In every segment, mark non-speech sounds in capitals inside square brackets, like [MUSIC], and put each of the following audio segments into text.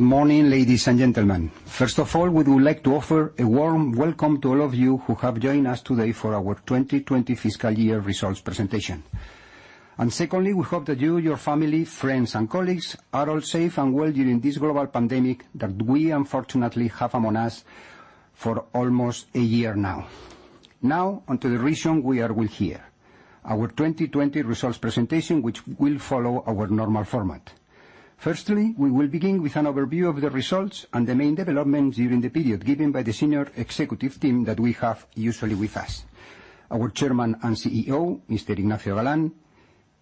Good morning, ladies and gentlemen. First of all, we would like to offer a warm welcome to all of you who have joined us today for our 2020 fiscal year results presentation. Secondly, we hope that you, your family, friends, and colleagues are all safe and well during this global pandemic that we unfortunately have among us for almost a year now. Onto the reason we are all here, our 2020 results presentation, which will follow our normal format. Firstly, we will begin with an overview of the results and the main developments during the period given by the senior executive team that we have usually with us. Our Chairman and CEO, Mr. Ignacio Galán,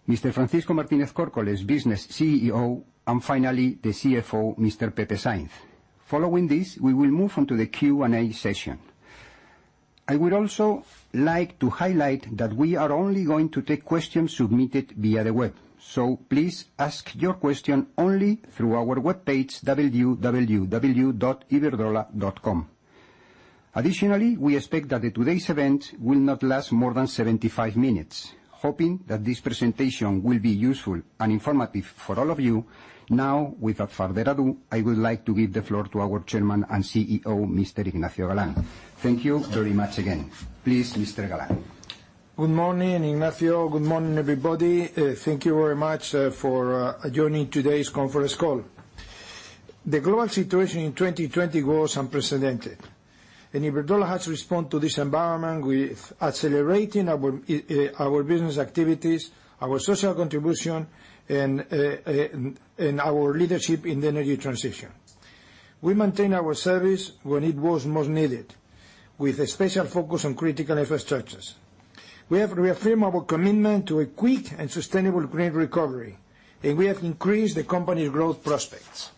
Mr. Francisco Martínez Córcoles, Business CEO, and finally, the CFO, Mr. Pepe Sainz. Following this, we will move on to the Q&A session. I would also like to highlight that we are only going to take questions submitted via the web. Please ask your question only through our webpage, www.iberdrola.com. We expect that today's event will not last more than 75 minutes. Hoping that this presentation will be useful and informative for all of you, now, without further ado, I would like to give the floor to our Chairman and CEO, Mr. Ignacio Galán. Thank you very much again. Please, Mr. Galán. Good morning, Ignacio. Good morning, everybody. Thank you very much for joining today's conference call. The global situation in 2020 was unprecedented, and Iberdrola had to respond to this environment with accelerating our business activities, our social contribution, and our leadership in the energy transition. We maintained our service when it was most needed, with a special focus on critical infrastructures. We have reaffirmed our commitment to a quick and sustainable green recovery, and we have increased the company's growth prospects.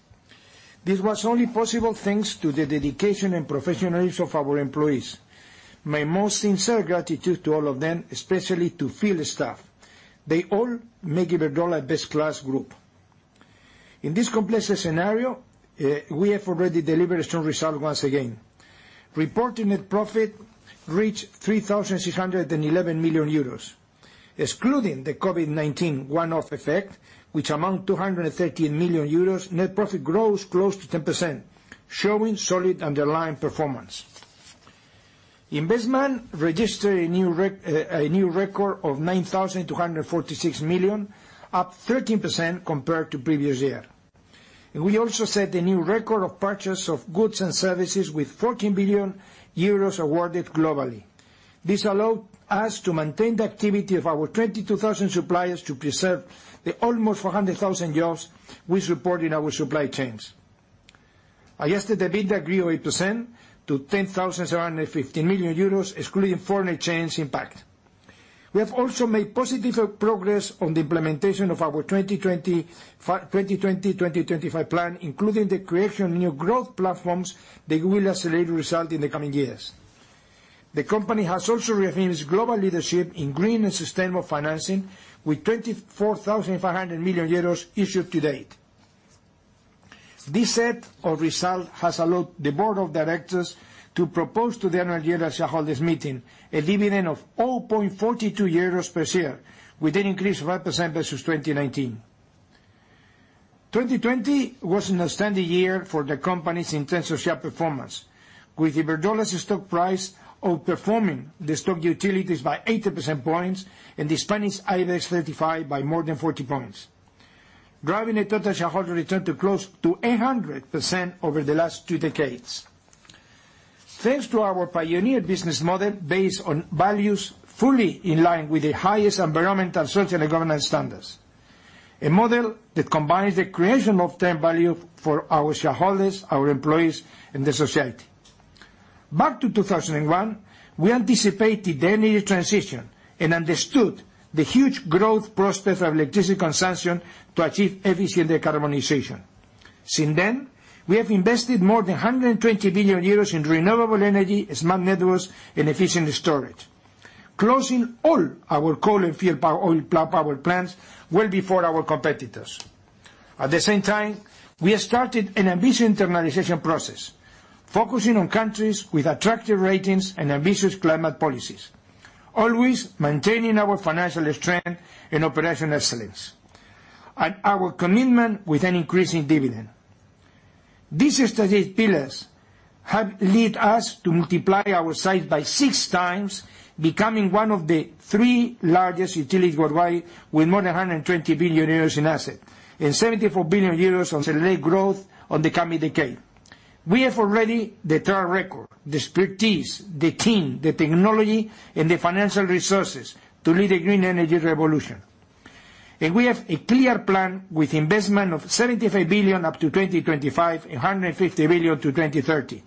This was only possible thanks to the dedication and professionalism of our employees. My most sincere gratitude to all of them, especially to field staff. They all make Iberdrola a best-class group. In this complex scenario, we have already delivered a strong result once again. Reported net profit reached 3,611 million euros. Excluding the COVID-19 one-off effect, which amount 213 million euros, net profit grows close to 10%, showing solid underlying performance. Investment registered a new record of 9,246 million, up 13% compared to previous year. We also set a new record of purchase of goods and services with 14 billion euros awarded globally. This allowed us to maintain the activity of our 22,000 suppliers to preserve the almost 100,000 jobs we support in our supply chains. Our EBITDA grew 8% to 10,715 million euros excluding foreign exchange impact. We have also made positive progress on the implementation of our 2020-2025 plan, including the creation of new growth platforms that will accelerate results in the coming years. The company has also reaffirmed its global leadership in green and sustainable financing with 24,500 million euros issued to date. This set of results has allowed the board of directors to propose to the annual shareholders' meeting a dividend of 0.42 euros per share, with an increase of 5% versus 2019. 2020 was an outstanding year for the company's intense share performance, with Iberdrola's stock price outperforming the stock utilities by 80 percentage points and the Spanish IBEX 35 by more than 40 points, driving a total shareholder return to close to 100% over the last two decades. Thanks to our pioneer business model based on values fully in line with the highest environmental, social, and governance standards, a model that combines the creation of shared value for our shareholders, our employees, and the society. Back to 2001, we anticipated the energy transition and understood the huge growth prospects of electricity consumption to achieve efficient decarbonization. Since then, we have invested more than 120 billion euros in renewable energy, smart networks, and efficient storage, closing all our coal and fuel oil power plants well before our competitors. At the same time, we have started an ambitious internationalization process, focusing on countries with attractive ratings and ambitious climate policies, always maintaining our financial strength and operational excellence, and our commitment with an increasing dividend. These strategic pillars have led us to multiply our size by six times, becoming one of the three largest utilities worldwide with more than 120 billion euros in assets and 74 billion euros on select growth on the coming decade. We have already the track record, the expertise, the team, the technology, and the financial resources to lead a green energy revolution. We have a clear plan with investment of 75 billion up to 2025 and 150 billion to 2030.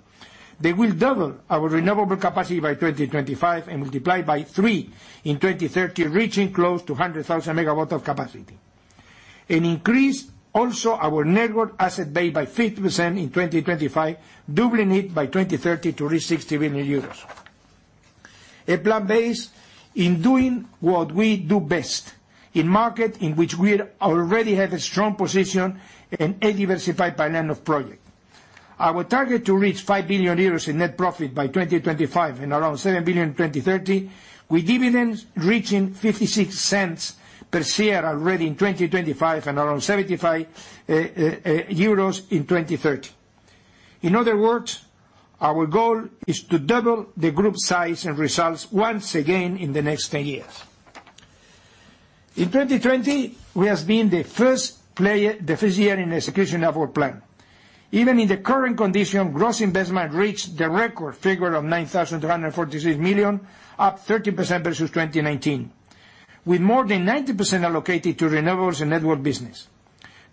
They will double our renewable capacity by 2025 and multiply by three in 2030, reaching close to 100,000 MW of capacity, increase also our network asset base by 50% in 2025, doubling it by 2030 to reach 60 billion euros. A plan based in doing what we do best in markets in which we already have a strong position and a diversified pipeline of projects. Our target to reach 5 billion euros in net profit by 2025 and around 7 billion in 2030, with dividends reaching 0.56 per share already in 2025 and around 75 euros in 2030. In other words, our goal is to double the group size and results once again in the next 10 years. In 2020, we have been the first year in execution of our plan. Even in the current condition, gross investment reached the record figure of 9,346 million, up 13% versus 2019, with more than 90% allocated to renewables and network business.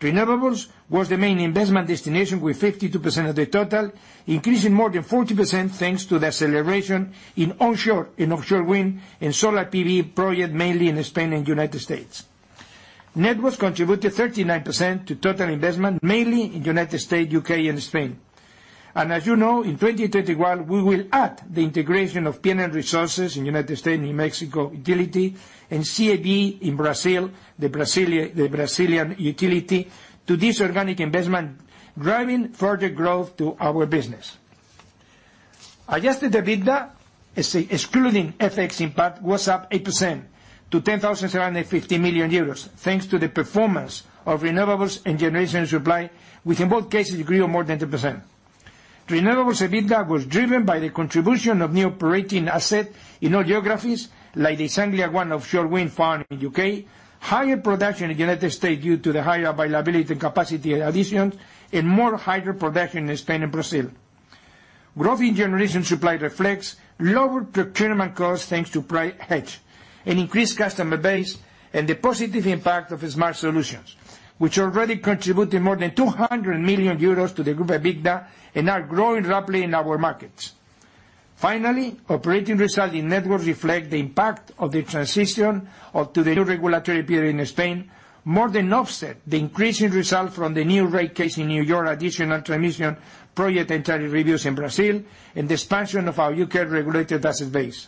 Renewables was the main investment destination with 52% of the total, increasing more than 40% thanks to the acceleration in onshore and offshore wind and solar PV projects mainly in Spain and U.S. Networks contributed 39% to total investment, mainly in U.S., U.K., and Spain. As you know, in 2021, we will add the integration of PNM Resources in U.S., New Mexico utility, and CEB in Brazil, the Brazilian utility, to this organic investment, driving further growth to our business. Adjusted EBITDA, excluding FX impact, was up 8% to 10,750 million euros, thanks to the performance of renewables and generation supply, which in both cases grew more than 10%. Renewables EBITDA was driven by the contribution of new operating asset in all geographies, like the East Anglia ONE offshore wind farm in the U.K., higher production in the U.S. due to the higher availability and capacity additions, and more hydro production in Spain and Brazil. Growth in generation supply reflects lower procurement costs, thanks to price hedge and increased customer base, and the positive impact of Smart Solutions, which already contributed more than 200 million euros to the group EBITDA and are growing rapidly in our markets. Finally, operating results in networks reflect the impact of the transition to the new regulatory period in Spain, more than offset the increase in results from the new rate case in N.Y. additional transmission project and tariff reviews in Brazil, and the expansion of our U.K. regulated asset base.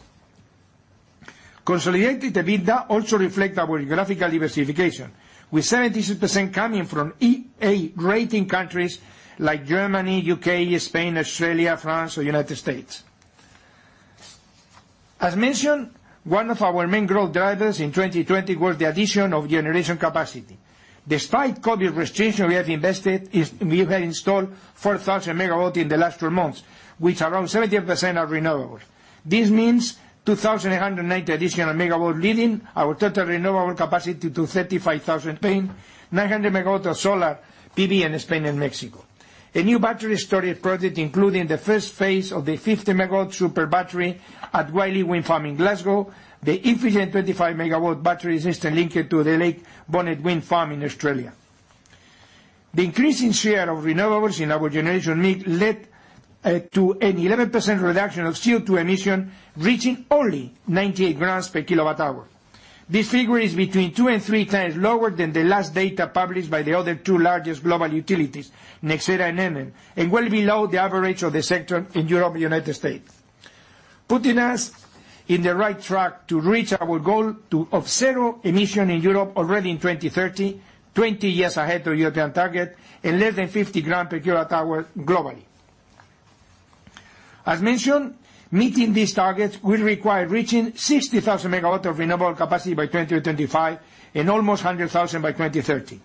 Consolidated EBITDA also reflect our geographical diversification, with 76% coming from A-rating countries like Germany, U.K., Spain, Australia, France, or U.S. As mentioned, one of our main growth drivers in 2020 was the addition of generation capacity. Despite COVID restrictions, we have installed 4,000 MW in the last 12 months, which around 70% are renewable. This means 2,190 additional MW, leading our total renewable capacity to 35,000 in Spain, 900 MW of solar PV in Spain and Mexico. A new battery storage project, including the first phase of the 50 MW super battery at Whitelee wind farm in Glasgow, the Infigen 25 MW battery system linked to the Lake Bonney wind farm in Australia. The increase in share of renewables in our generation mix led to an 11% reduction of CO2 emission, reaching only 98 g/kWh. This figure is between 2x and 3x lower than the last data published by the other two largest global utilities, NextEra Energy and Enel, well below the average of the sector in Europe and U.S., putting us in the right track to reach our goal of zero emission in Europe already in 2030, 20 years ahead of European target, less than 50 g/kWh globally. As mentioned, meeting these targets will require reaching 60,000 MW of renewable capacity by 2025 and almost 100,000 by 2030.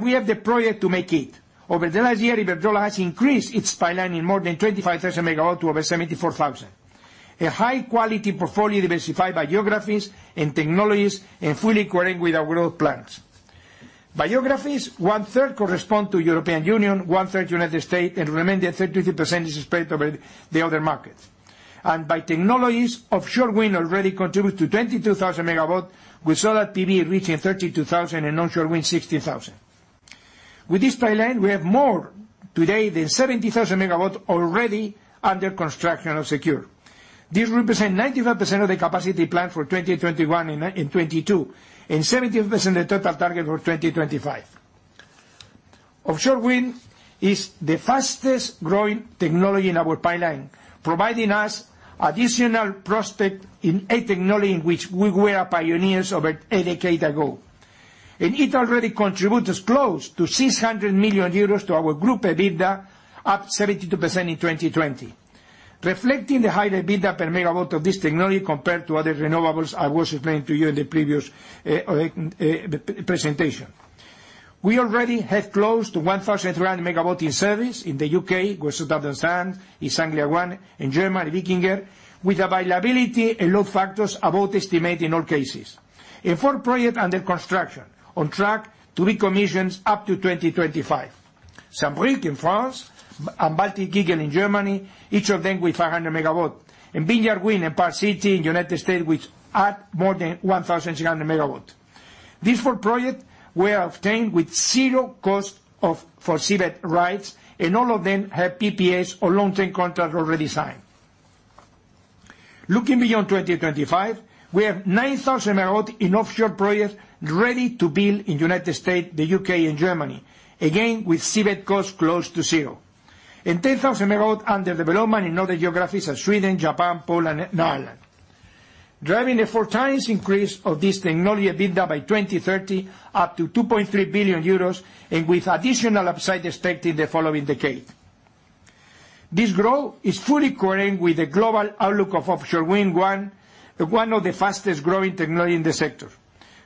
We have the project to make it. Over the last year, Iberdrola has increased its pipeline in more than 25,000 MW to over 74,000. A high-quality portfolio diversified by geographies and technologies and fully cohering with our growth plans. By geographies, one-third correspond to European Union, one-third U.S., and remaining 33% is spread over the other markets. By technologies, offshore wind already contribute to 22,000 MW, with solar PV reaching 32,000 and onshore wind 16,000. With this pipeline, we have more today than 70,000 MW already under construction or secure. This represents 95% of the capacity planned for 2021 and 2022, and 17% of total target for 2025. Offshore wind is the fastest-growing technology in our pipeline, providing us additional prospect in a technology in which we were pioneers over a decade ago. It already contributes close to 600 million euros to our group EBITDA, up 72% in 2020, reflecting the higher EBITDA per megawatt of this technology compared to other renewables I was explaining to you in the previous presentation. We already have close to 1,300 MW in service in the U.K., West of Duddon Sands, East Anglia ONE, in Germany, Wikinger, with availability and load factors above estimate in all cases. Four projects under construction on track to be commissioned up to 2025. Saint-Brieuc in France and Baltic Eagle in Germany, each of them with 500 MW. Vineyard Wind and Park City in the U.S., which add more than 1,600 MW. These four projects were obtained with zero cost of seabed rights, and all of them have PPAs or long-term contracts already signed. Looking beyond 2025, we have 9,000 MW in offshore projects ready to build in the U.S., the U.K., and Germany, again, with seabed cost close to zero. 10,000 MW under development in other geographies such Sweden, Japan, Poland, and Ireland. Driving a four times increase of this technology EBITDA by 2030, up to 2.3 billion euros, and with additional upside expected the following decade. This growth is fully current with the global outlook of offshore wind, one of the fastest-growing technology in the sector.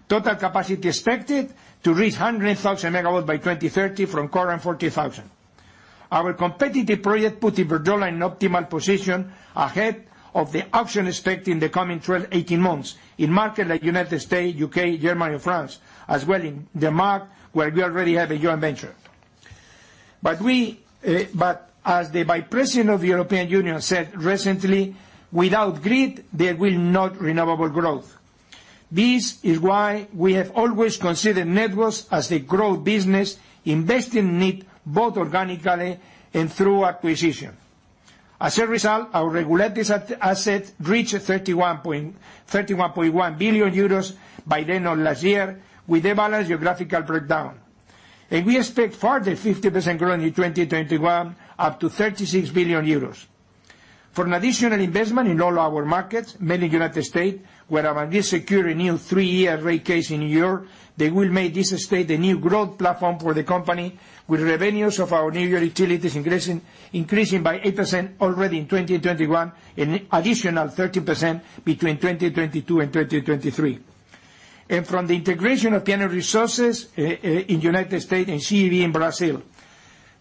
Total capacity expected to reach 100,000 MW by 2030 from current 40,000. Our competitive project puts Iberdrola in optimal position ahead of the auction expected in the coming 12, 18 months in markets like United States, U.K., Germany and France, as well in Denmark, where we already have a joint venture. As the vice president of the European Union said recently, "Without grid, there will not renewable growth." This is why we have always considered networks as a growth business, investing in it both organically and through acquisition. As a result, our regulated assets reached 31.1 billion euros by the end of last year, with a balanced geographical breakdown. We expect further 50% growth in 2021, up to 36 billion euros. For an additional investment in all our markets, mainly U.S., where among this secure a new three-year rate case in New York, they will make this state a new growth platform for the company, with revenues of our New York utilities increasing by 8% already in 2021, an additional 13% between 2022 and 2023. From the integration of PNM Resources in U.S. and CEB in Brazil.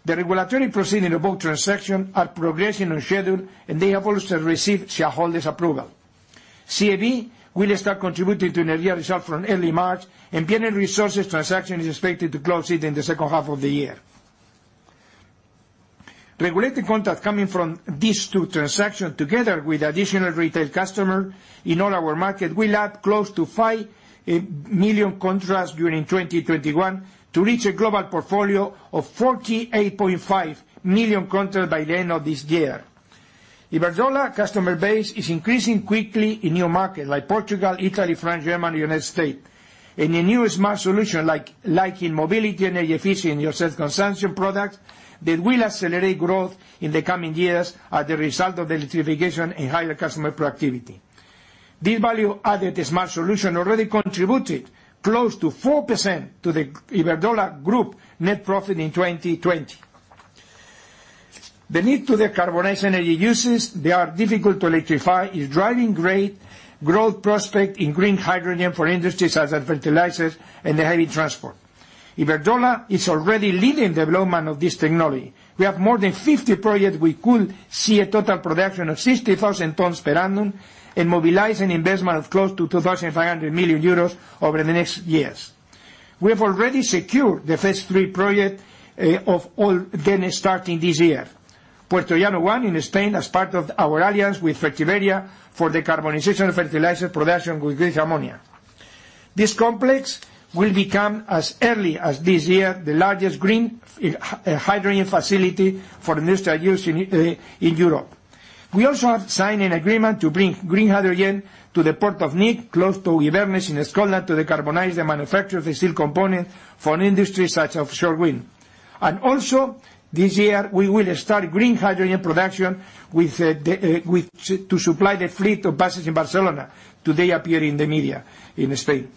The regulatory proceeding of both transactions are progressing on schedule, and they have also received shareholders' approval. CEB will start contributing to an annual result from early March, and PNM Resources transaction is expected to close it in the second half of the year. Regulated contracts coming from these two transactions, together with additional retail customers in all our markets, will add close to 5 million contracts during 2021 to reach a global portfolio of 48.5 million contracts by the end of this year. Iberdrola customer base is increasing quickly in new markets like Portugal, Italy, France, Germany, U.S. The new Smart Solutions, like in mobility and energy efficiency and self-consumption products, that will accelerate growth in the coming years as a result of the electrification and higher customer productivity. These value-added Smart Solutions already contributed close to 4% to the Iberdrola Group net profit in 2020. The need to decarbonize energy uses that are difficult to electrify is driving great growth prospect in green hydrogen for industries such as fertilizers and the heavy transport. Iberdrola is already leading development of this technology. We have more than 50 projects. We could see a total production of 60,000 tons per annum and mobilize an investment of close to 2,500 million euros over the next years. We have already secured the first three projects of all, starting this year. Puertollano 1 in Spain, as part of our alliance with Fertiberia for decarbonization of fertilizer production with green ammonia. This complex will become, as early as this year, the largest green hydrogen facility for industrial use in Europe. We also have signed an agreement to bring green hydrogen to the port of Nigg, close to Inverness in Scotland, to decarbonize the manufacture of the steel component for an industry such as offshore wind. Also, this year, we will start green hydrogen production to supply the fleet of buses in Barcelona. Today appeared in the media in Spain.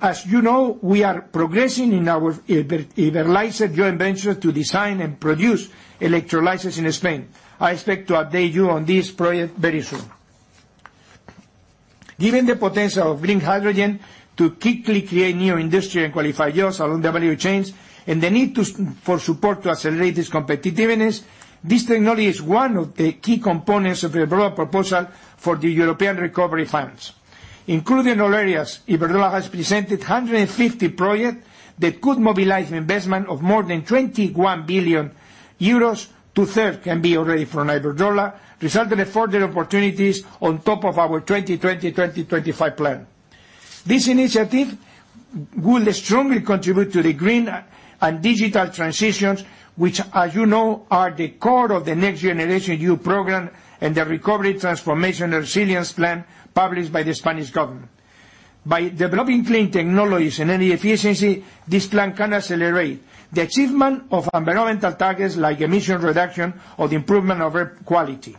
As you know, we are progressing in our Iberlyzer joint venture to design and produce electrolysis in Spain. I expect to update you on this project very soon. Given the potential of green hydrogen to quickly create new industry and qualified jobs along the value chains and the need for support to accelerate its competitiveness, this technology is one of the key components of Iberdrola proposal for the European recovery funds. Including all areas, Iberdrola has presented 150 projects that could mobilize investment of more than 21 billion euros. Two-third can be already from Iberdrola, resulting in further opportunities on top of our 2020-2025 plan. This initiative will strongly contribute to the green and digital transitions, which, as you know, are the core of the Next Generation EU program and the Recovery, Transformation and Resilience Plan published by the Spanish government. By developing clean technologies and energy efficiency, this plan can accelerate the achievement of environmental targets like emission reduction or the improvement of air quality,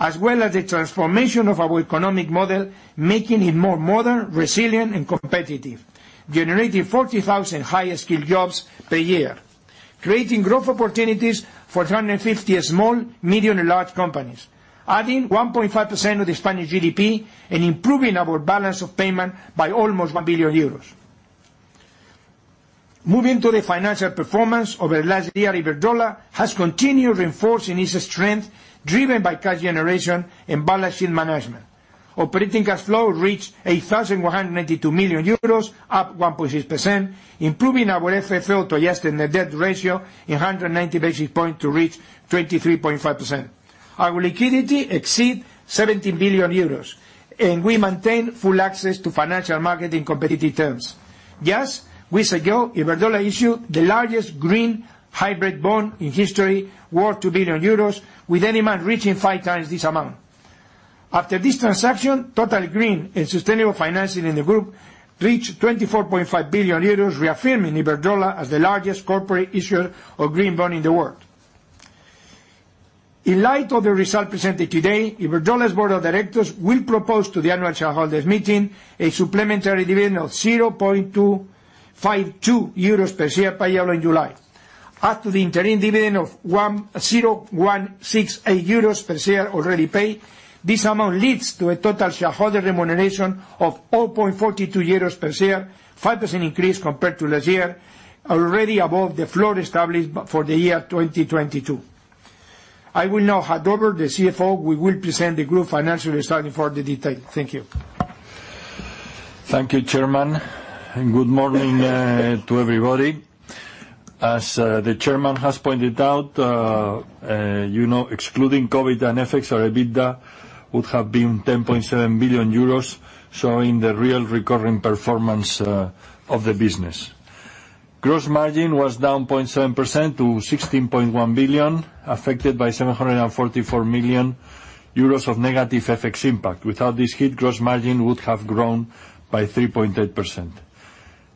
as well as the transformation of our economic model, making it more modern, resilient and competitive, generating 40,000 high-skilled jobs per year, creating growth opportunities for 350 small, medium, and large companies, adding 1.5% of the Spanish GDP and improving our balance of payment by almost 1 billion euros. Moving to the financial performance. Over the last year, Iberdrola has continued reinforcing its strength, driven by cash generation and balance sheet management. Operating cash flow reached 8,192 million euros, up 1.6%, improving our FFO to asset and net debt ratio 190 basis point to reach 23.5%. Our liquidity exceed 17 billion euros, and we maintain full access to financial market in competitive terms. Just weeks ago, Iberdrola issued the largest green hybrid bond in history, worth 2 billion euros, with demand reaching 5x this amount. After this transaction, total green and sustainable financing in the group reached 24.5 billion euros, reaffirming Iberdrola as the largest corporate issuer of green bond in the world. In light of the results presented today, Iberdrola's board of directors will propose to the annual shareholders' meeting a supplementary dividend of 0.252 euros per share, payable in July. Add to the interim dividend of [0.16 euros] per share already paid, this amount leads to a total shareholder remuneration of 4.42 euros per share, 5% increase compared to last year, already above the floor established for the year 2022. I will now hand over the CFO, who will present the group financial results for the detail. Thank you. Thank you, Chairman. Good morning to everybody. As the Chairman has pointed out, excluding COVID and FX, our EBITDA would have been 10.7 billion euros, showing the real recurring performance of the business. Gross margin was down 0.7% to 16.1 billion, affected by 744 million euros of negative FX impact. Without this hit, gross margin would have grown by 3.8%.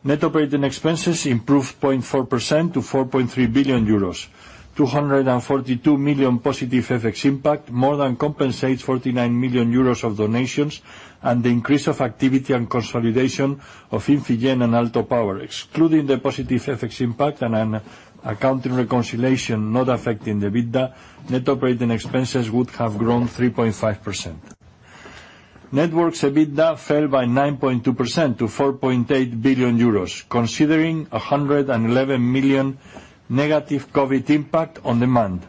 Net operating expenses improved 0.4% to 4.3 billion euros. 242 million positive FX impact more than compensates 49 million euros of donations and the increase of activity and consolidation of Infigen and Aalto Power. Excluding the positive FX impact and an accounting reconciliation not affecting the EBITDA, net operating expenses would have grown 3.5%. Network's EBITDA fell by 9.2% to 4.8 billion euros, considering 111 million negative COVID impact on demand.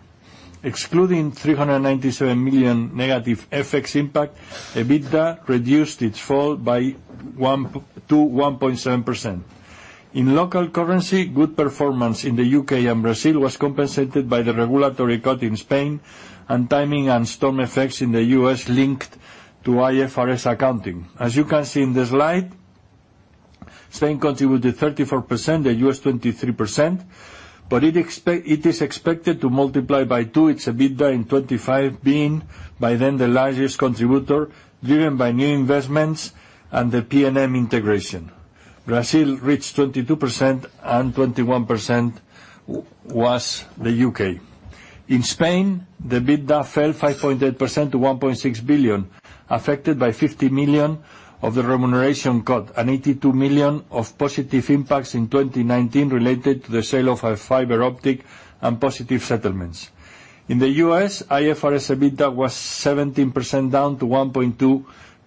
Excluding 397 million negative FX impact, EBITDA reduced its fall to 1.7%. In local currency, good performance in the U.K. and Brazil was compensated by the regulatory cut in Spain and timing and storm effects in the U.S. linked to IFRS accounting. As you can see in the slide, Spain contributed 34%, the U.S. 23%, but it is expected to multiply by two its EBITDA in 2025, being by then the largest contributor, driven by new investments and the PNM integration. Brazil reached 22% and 21% was the U.K. In Spain, the EBITDA fell 5.8% to 1.6 billion, affected by 50 million of the remuneration cut and 82 million of positive impacts in 2019 related to the sale of fiber optic and positive settlements. In the U.S., IFRS EBITDA was 17% down to $1.2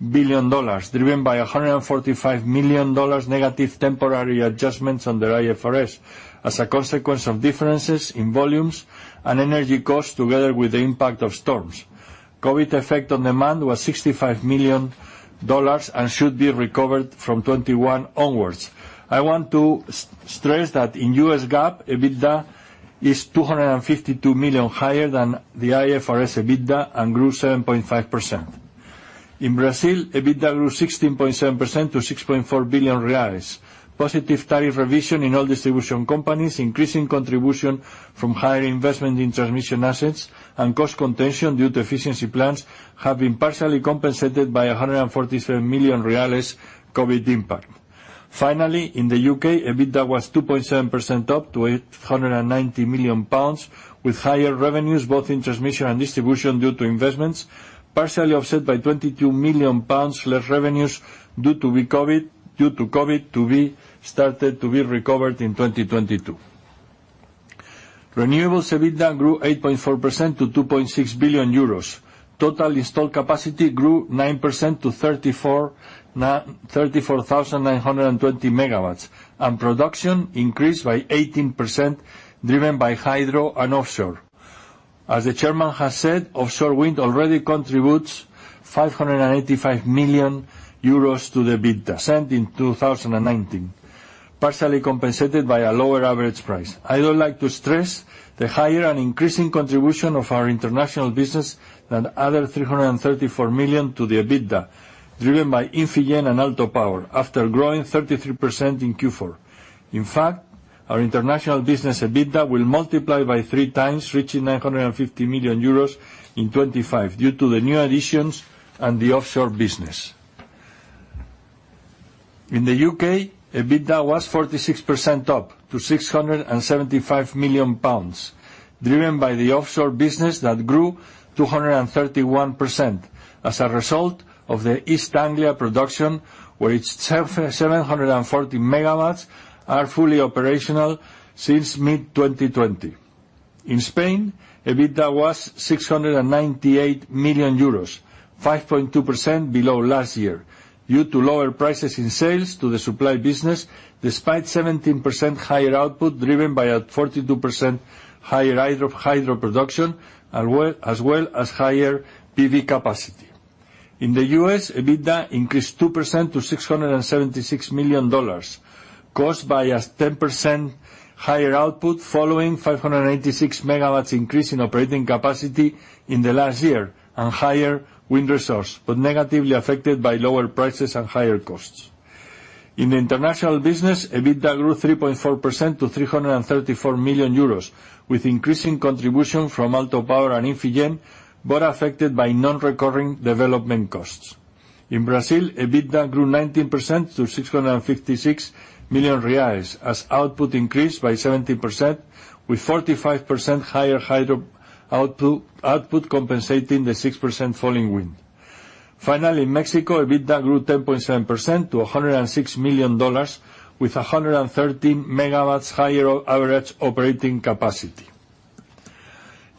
billion, driven by $145 million negative temporary adjustments under IFRS, as a consequence of differences in volumes and energy costs together with the impact of storms. COVID effect on demand was EUR 65 million and should be recovered from 2021 onwards. I want to stress that in US GAAP, EBITDA is 252 million higher than the IFRS EBITDA and grew 7.5%. In Brazil, EBITDA grew 16.7% to 6.4 billion BRL. Positive tariff revision in all distribution companies, increasing contribution from higher investment in transmission assets, and cost contention due to efficiency plans have been partially compensated by 147 million BRL COVID impact. Finally, in the U.K., EBITDA was 2.7% up to 890 million pounds, with higher revenues both in transmission and distribution due to investments, partially offset by 22 million pounds less revenues due to COVID, started to be recovered in 2022. Renewables EBITDA grew 8.4% to 2.6 billion euros. Total installed capacity grew 9% to 34,920 MW, and production increased by 18%, driven by hydro and offshore. As the Chairman has said, offshore wind already contributes 585 million euros to the EBITDA, in 2019, partially compensated by a lower average price. I would like to stress the higher and increasing contribution of our international business than other 334 million to the EBITDA, driven by Infigen and Aalto Power, after growing 33% in Q4. In fact, our international business EBITDA will multiply by 3x, reaching 950 million euros in 2025, due to the new additions and the offshore business. In the U.K., EBITDA was 46% up to 675 million pounds, driven by the offshore business that grew 231% as a result of the East Anglia production, where its 740 MW are fully operational since mid-2020. In Spain, EBITDA was 698 million euros, 5.2% below last year, due to lower prices in sales to the supply business, despite 17% higher output driven by a 42% higher hydro production, as well as higher PV capacity. In the US, EBITDA increased 2% to $676 million, caused by a 10% higher output following 586 MW increase in operating capacity in the last year and higher wind resource, but negatively affected by lower prices and higher costs. In the international business, EBITDA grew 3.4% to 334 million euros, with increasing contribution from Aalto Power and Infigen, but affected by non-recurring development costs. In Brazil, EBITDA grew 19% to 656 million reais, as output increased by 17%, with 45% higher hydro output compensating the 6% fall in wind. Finally, in Mexico, EBITDA grew 10.7% to $106 million, with 113 MW higher average operating capacity.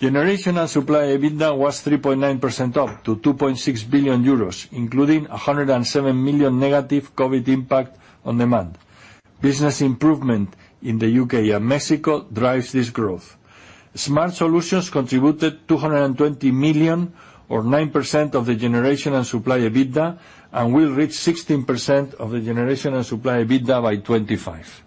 Generation and supply EBITDA was 3.9% up to 2.6 billion euros, including 107 million negative COVID impact on demand. Business improvement in the U.K. and Mexico drives this growth. Smart Solutions contributed 220 million or 9% of the generation and supply EBITDA and will reach 16% of the generation and supply EBITDA by 2025.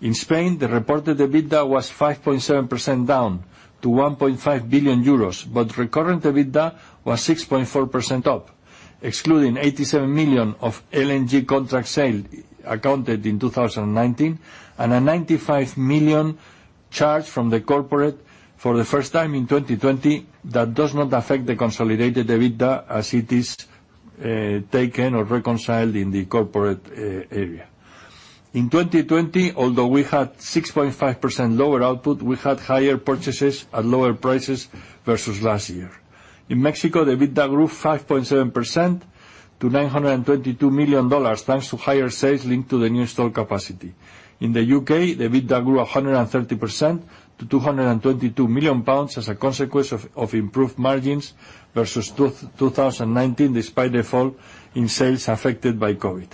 In Spain, the reported EBITDA was 5.7% down to 1.5 billion euros, but recurrent EBITDA was 6.4% up, excluding 87 million of LNG contract sale accounted in 2019 and a 95 million charge from the corporate for the first time in 2020 that does not affect the consolidated EBITDA as it is taken or reconciled in the corporate area. In 2020, although we had 6.5% lower output, we had higher purchases at lower prices versus last year. In Mexico, EBITDA grew 5.7% to $922 million, thanks to higher sales linked to the new installed capacity. In the U.K., EBITDA grew 130% to 222 million pounds as a consequence of improved margins versus 2019, despite the fall in sales affected by COVID.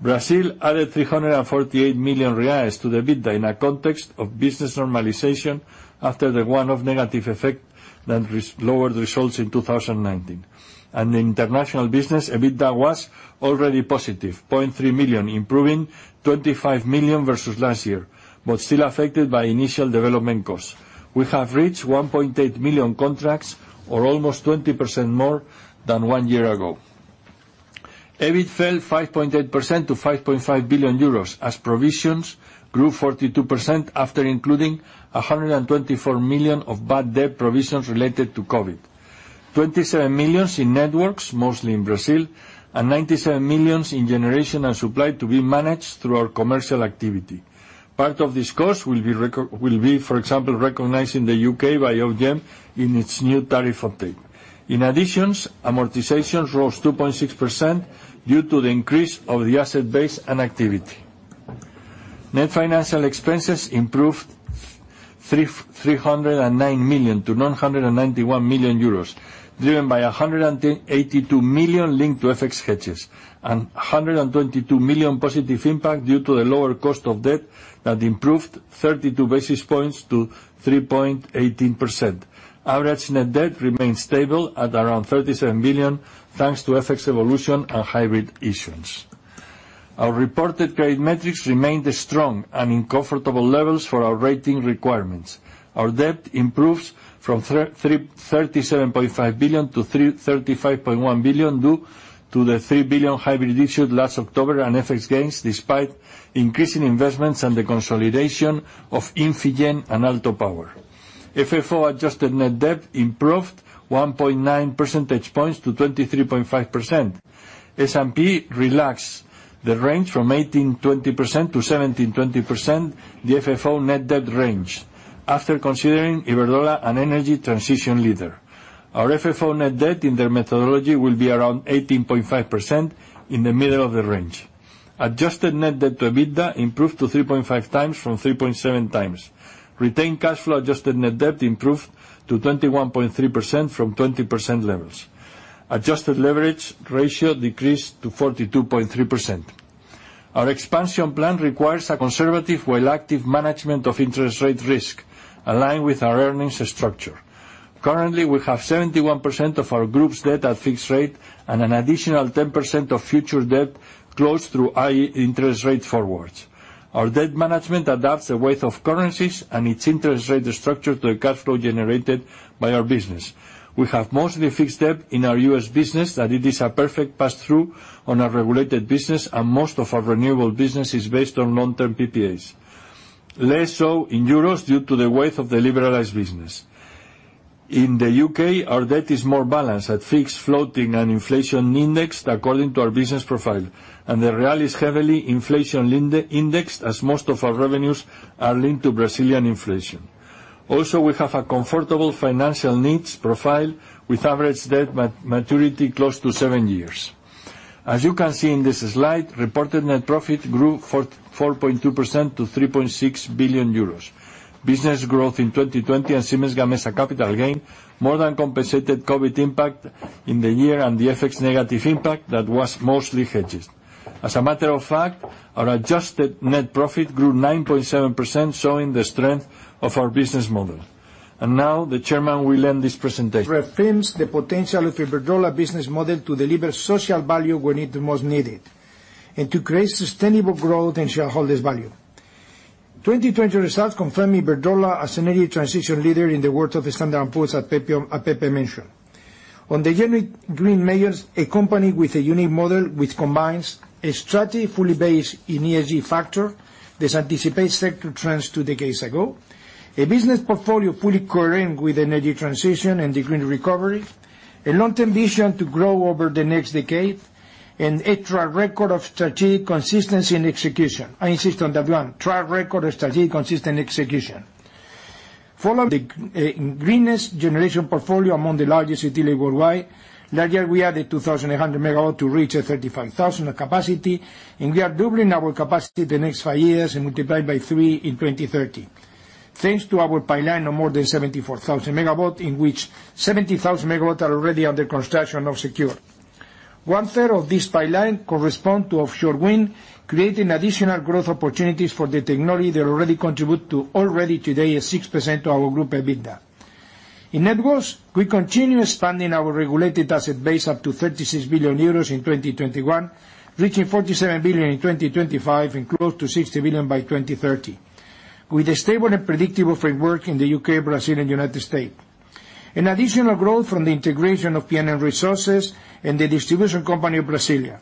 Brazil added 348 million reais to the EBITDA in a context of business normalization after the one-off negative effect that lowered results in 2019. The international business EBITDA was already positive, 0.3 million, improving 25 million versus last year, but still affected by initial development costs. We have reached 1.8 million contracts or almost 20% more than one year ago. EBIT fell 5.8% to 5.5 billion euros as provisions grew 42% after including 124 million of bad debt provisions related to COVID, 27 million in networks, mostly in Brazil, and 97 million in generation and supply to be managed through our commercial activity. Part of this cost will be, for example, recognized in the U.K. by Ofgem in its new tariff update. In addition, amortizations rose 2.6% due to the increase of the asset base and activity. Net financial expenses improved 309 million to 991 million euros, driven by 182 million linked to FX hedges and 122 million positive impact due to the lower cost of debt that improved 32 basis points to 3.18%. Average net debt remains stable at around 37 billion, thanks to FX evolution and hybrid issuance. Our reported credit metrics remained strong and in comfortable levels for our rating requirements. Our debt improves from 37.5 billion to 35.1 billion due to the 3 billion hybrid issued last October and FX gains, despite increasing investments and the consolidation of Infigen and Aalto Power. FFO-adjusted net debt improved 1.9 percentage points to 23.5%. S&P relaxed the range from 18%-20% to 17%-20% the FFO net debt range after considering Iberdrola an energy transition leader. Our FFO net debt in their methodology will be around 18.5% in the middle of the range. Adjusted net debt to EBITDA improved to 3.5x from 3.7x. Retained cash flow adjusted net debt improved to 21.3% from 20% levels. Adjusted leverage ratio decreased to 42.3%. Our expansion plan requires a conservative while active management of interest rate risk aligned with our earnings structure. Currently, we have 71% of our group's debt at fixed rate and an additional 10% of future debt closed through high interest rate forwards. Our debt management adapts the weight of currencies and its interest rate structure to the cash flow generated by our business. We have mostly fixed debt in our U.S. business, that it is a perfect pass-through on our regulated business and most of our renewable business is based on long-term PPAs. Less so in EUR due to the weight of the liberalized business. In the U.K., our debt is more balanced at fixed, floating, and inflation-indexed according to our business profile. The BRL is heavily inflation-indexed as most of our revenues are linked to Brazilian inflation. We have a comfortable financial needs profile with average debt maturity close to seven years. As you can see in this slide, reported net profit grew 4.2% to 3.6 billion euros. Business growth in 2020 and Siemens Gamesa capital gain more than compensated COVID impact in the year and the FX negative impact that was mostly hedged. As a matter of fact, our adjusted net profit grew 9.7%, showing the strength of our business model. Now the Chairman will end this presentation. Reaffirms the potential of Iberdrola business model to deliver social value where it is most needed and to create sustainable growth and shareholder value. 2020 results confirm Iberdrola as an energy transition leader in the words of Standard & Poor's that Pepe mentioned. On the generic green measures, a company with a unique model which combines a strategy fully based in ESG factor that anticipate sector trends two decades ago. A business portfolio fully coherent with energy transition and the green recovery. A long-term vision to grow over the next decade, and a track record of strategic consistency and execution. I insist on that one, track record of strategic consistent execution. Follow the greenest generation portfolio among the largest utility worldwide. Last year, we added 2,800 MW to reach a 35,000 MW capacity, and we are doubling our capacity the next five years and multiply it by three in 2030. Thanks to our pipeline of more than 74,000 MW, in which 17,000 MW are already under construction or secure. One third of this pipeline correspond to offshore wind, creating additional growth opportunities for the technology that already contribute to already today 6% of our group EBITDA. In networks, we continue expanding our regulated asset base up to 36 billion euros in 2021, reaching 47 billion in 2025 and close to 60 billion by 2030. With a stable and predictable framework in the U.K., Brazil, and United States. An additional growth from the integration of PNM Resources and the distribution company in Brasília.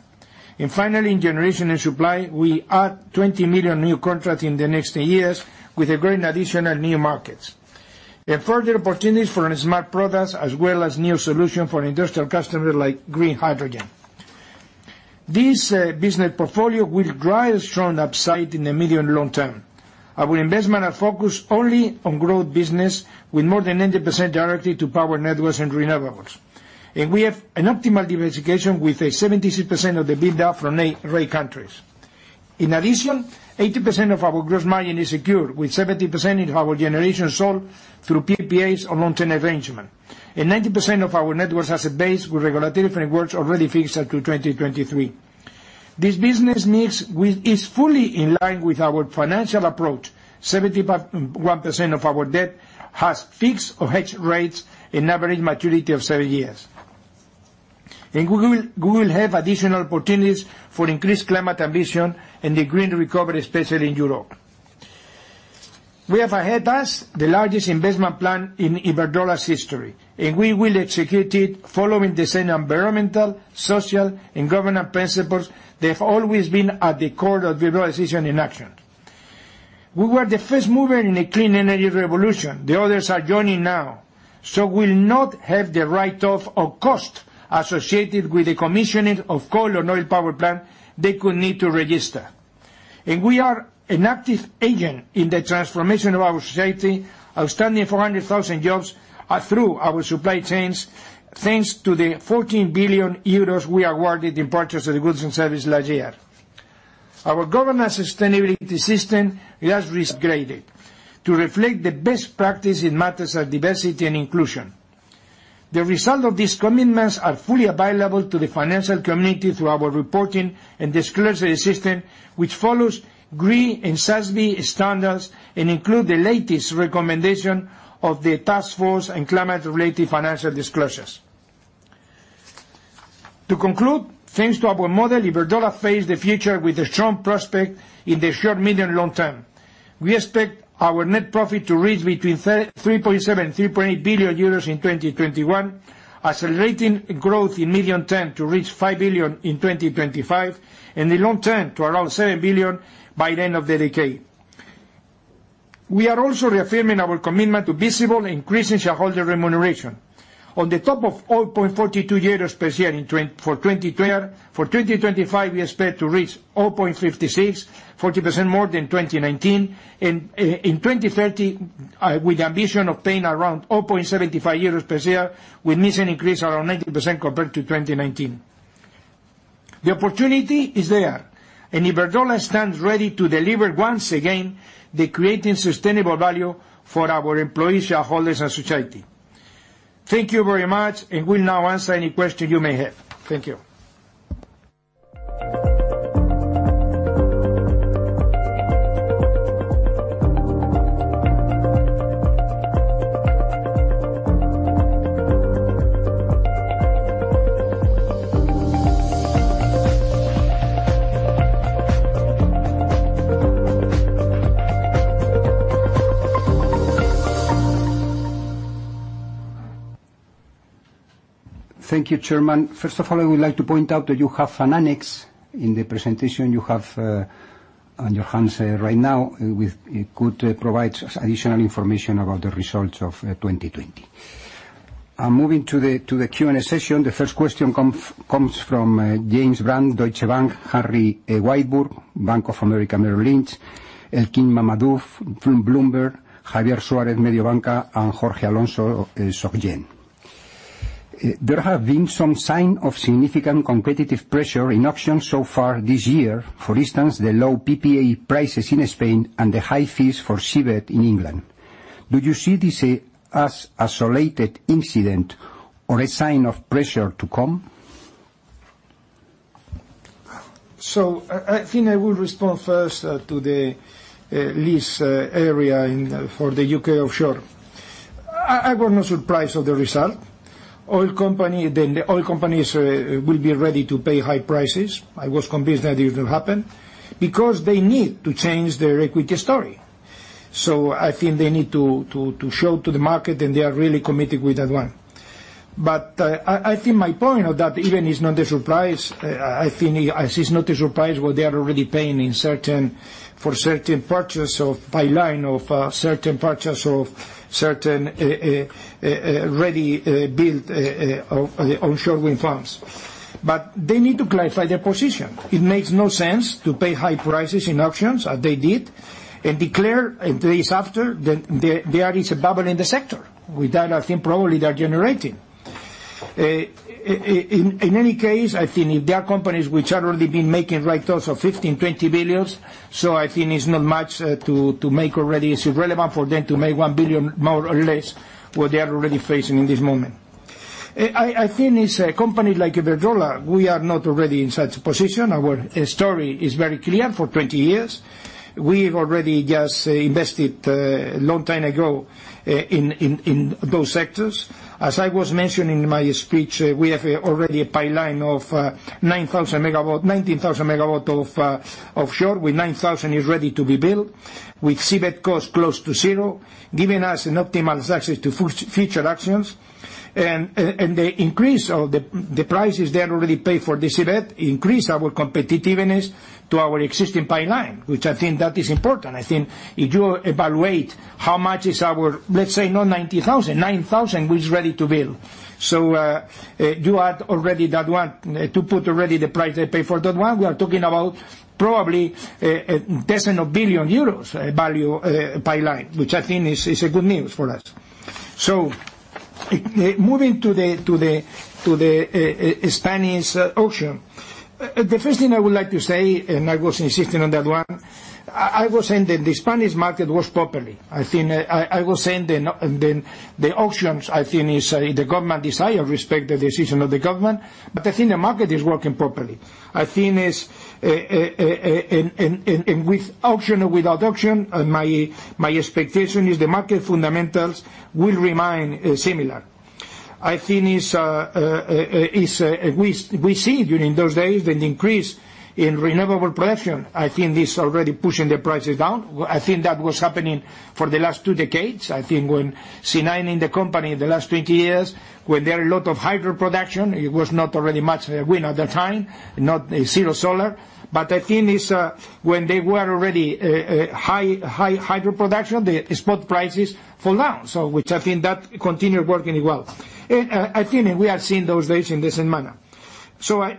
Finally, in generation and supply, we add 20 million new contracts in the next years with a growing additional new markets. A further opportunities for Smart Solutions, as well as new solution for industrial customers like green hydrogen. This business portfolio will drive strong upside in the medium long term. Our investment are focused only on growth business with more than 90% directly to power networks and renewables. We have an optimal diversification with a 76% of the EBITDA from eight countries. In addition, 80% of our gross margin is secured with 70% in our generation sold through PPAs or long-term arrangement. 90% of our networks asset base with regulatory frameworks already fixed up to 2023. This business mix is fully in line with our financial approach. 71% of our debt has fixed or hedged rates and average maturity of seven years. We will have additional opportunities for increased climate ambition and the green recovery, especially in Europe. We have ahead us the largest investment plan in Iberdrola's history, and we will execute it following the same environmental, social, and governance principles that have always been at the core of Iberdrola's decision and action. We were the first mover in a clean energy revolution. The others are joining now, will not have the write-off of cost associated with the commissioning of coal or oil power plant they could need to register. We are an active agent in the transformation of our society, sustaining 400,000 jobs through our supply chains, thanks to the 14 billion euros we awarded in purchase of goods and services last year. Our governance sustainability system has been upgraded to reflect the best practice in matters of diversity and inclusion. The result of these commitments is fully available to the financial community through our reporting and disclosure system, which follows GRI and SASB standards and includes the latest recommendation of the task force and climate-related financial disclosures. To conclude, thanks to our model, Iberdrola faces the future with a strong prospect in the short, medium, long term. We expect our net profit to reach between 3.7 billion and 3.8 billion euros in 2021, accelerating growth in medium term to reach 5 billion in 2025, and the long term to around 7 billion by the end of the decade. We are also reaffirming our commitment to visible increase in shareholder remuneration. On the top of all, 0.42 per share for 2020. For 2025, we expect to reach 0.56, 40% more than 2019. In 2030, with the ambition of paying around 0.75 euros per share, with this, an increase around 90% compared to 2019. The opportunity is there, and Iberdrola stands ready to deliver once again the creating sustainable value for our employees, shareholders, and society. Thank you very much, and we'll now answer any question you may have. Thank you. Thank you, chairman. First of all, I would like to point out that you have an annex in the presentation you have on your hands right now. It could provide additional information about the results of 2020. Moving to the Q&A session, the first question comes from James Brand, Deutsche Bank, Harry Wyburd, Bank of America Merrill Lynch, Elchin Mammadov from Bloomberg, Javier Suárez, Mediobanca, and Jorge Alonso, SocGen. There have been some sign of significant competitive pressure in auctions so far this year. For instance, the low PPA prices in Spain and the high fees for seabed in England. Do you see this as isolated incident or a sign of pressure to come? I think I would respond first to this area for the U.K. offshore. I was not surprised of the result. The oil companies will be ready to pay high prices. I was convinced that it will happen because they need to change their equity story. I think they need to show to the market, and they are really committed with that one. I think my point of that, even it is not a surprise, I think this is not a surprise what they are already paying for certain purchase of pipeline, of certain purchase of certain ready-built offshore wind farms. They need to clarify their position. It makes no sense to pay high prices in auctions as they did and declare days after that there is a bubble in the sector. With that, I think probably they are generating. In any case, I think if there are companies which have already been making write-offs of 15 billion, 20 billion, I think it is not much, it is irrelevant for them to make 1 billion more or less what they are already facing in this moment. I think it is a company like Iberdrola, we are not already in such position. Our story is very clear for 20 years. We have already just invested a long time ago in those sectors. As I was mentioning in my speech, we have already a pipeline of 90,000 MW of offshore, with 9,000 is ready to be built, with seabed cost close to zero, giving us an optimal success to future auctions. The increase of the prices they already pay for this seabed increase our competitiveness to our existing pipeline, which I think that is important. I think if you evaluate how much is our, let's say not 90,000, 9,000, which is ready to build. You add already that one to put already the price they pay for that one. We are talking about probably tens of billion EUR value pipeline, which I think is a good news for us. Moving to the Spanish auction. The first thing I would like to say, I was insisting on that one, I was saying that the Spanish market works properly. I was saying the auctions, the government desire, respect the decision of the government. I think the market is working properly. With auction or without auction, my expectation is the market fundamentals will remain similar. We see during those days an increase in renewable production. I think this already pushing the prices down. I think that was happening for the last two decades. I think when C9, in the company in the last 20 years, when there are a lot of hydro production, it was not already much wind at that time, zero solar. I think it's when they were already high hydro production, the spot prices fall down. Which I think that continued working well. I think we are seeing those days in the same manner. I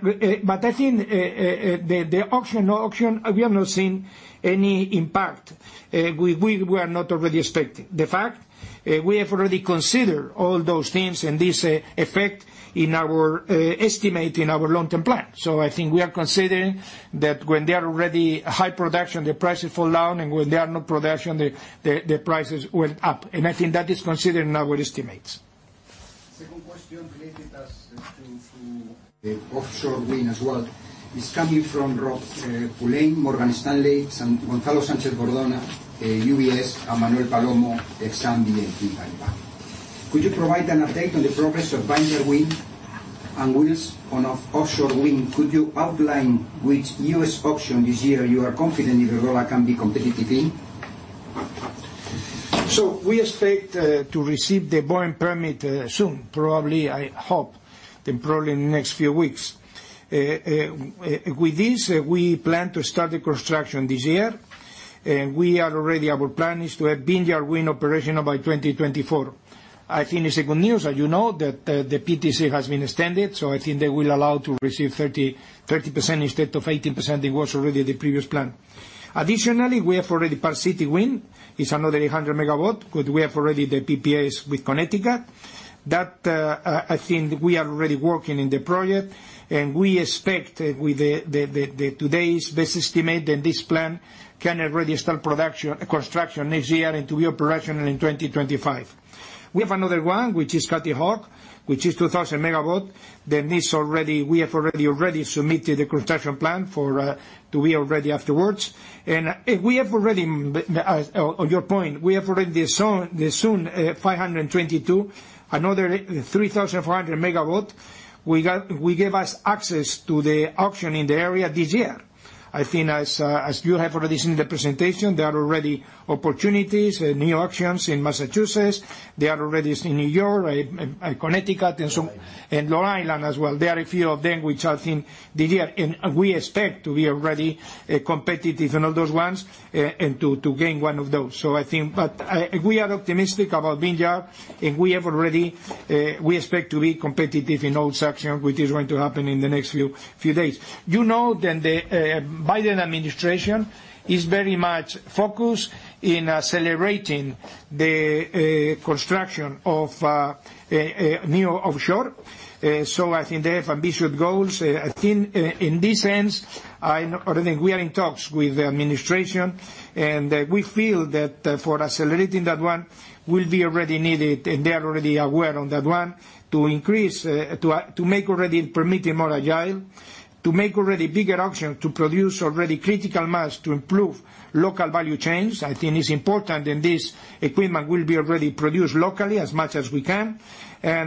think the auction or no auction, we have not seen any impact we were not already expecting. The fact, we have already considered all those things and this effect in our estimate in our long-term plan. I think we are considering that when there are already high production, the prices fall down, and when there are no production, the prices went up. I think that is considered in our estimates. Second question related as to the offshore wind as well. It is coming from Rob Pulleyn, Morgan Stanley, Gonzalo Sánchez-Bordona, UBS, and Manuel Palomo, Exane BNP Paribas. Could you provide an update on the progress of Vineyard Wind and Wind's on offshore wind? Could you outline which U.S. auction this year you are confident Iberdrola can be competitive in? We expect to receive the BOEM permit soon, probably, I hope, probably in the next few weeks. With this, we plan to start the construction this year. Our plan is to have Vineyard Wind operational by 2024. I think it's good news, as you know, that the PTC has been extended. I think they will allow to receive 30% instead of 18% it was already the previous plan. Additionally, we have already Park City Wind. It's another 100 MW. Good, we have already the PPAs with Connecticut. That, I think, we are already working in the project. We expect with the today's best estimate that this plan can already start production, construction next year into operation in 2025. We have another one, which is Kitty Hawk, which is 2,000 MW. We have already submitted a construction plan to be ready afterwards. On your point, we have already the Soon 522, another 3,400 MW. We gave us access to the auction in the area this year. I think as you have already seen the presentation, there are already opportunities, new auctions in Massachusetts. They are already in New York, Connecticut and some in Long Island as well. There are a few of them, which I think this year, we expect to be already competitive in all those ones and to gain one of those. We are optimistic about Vineyard, we expect to be competitive in all sections, which is going to happen in the next few days. You know that the Biden administration is very much focused in celebrating the construction of new offshore. I think they have ambitious goals. I think in this sense, already we are in talks with the administration, and we feel that for accelerating that one will be already needed, and they are already aware on that one, to make already permitting more agile, to make already bigger auction to produce already critical mass to improve local value chains. I think it's important. This equipment will be already produced locally as much as we can. I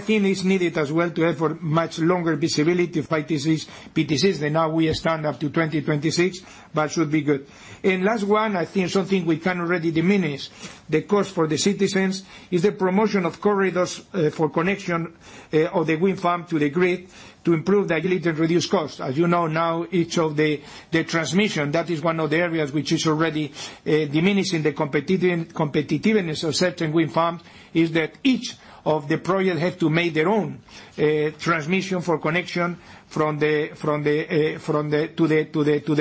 think it's needed as well to have a much longer visibility of PTC, than now we stand up to 2026, but should be good. Last one, I think something we can already diminish the cost for the citizens is the promotion of corridors for connection of the wind farm to the grid to improve the agility and reduce costs. As you know now, each of the transmission, that is one of the areas which is already diminishing the competitiveness of certain wind farms, is that each of the project have to make their own transmission for connection to the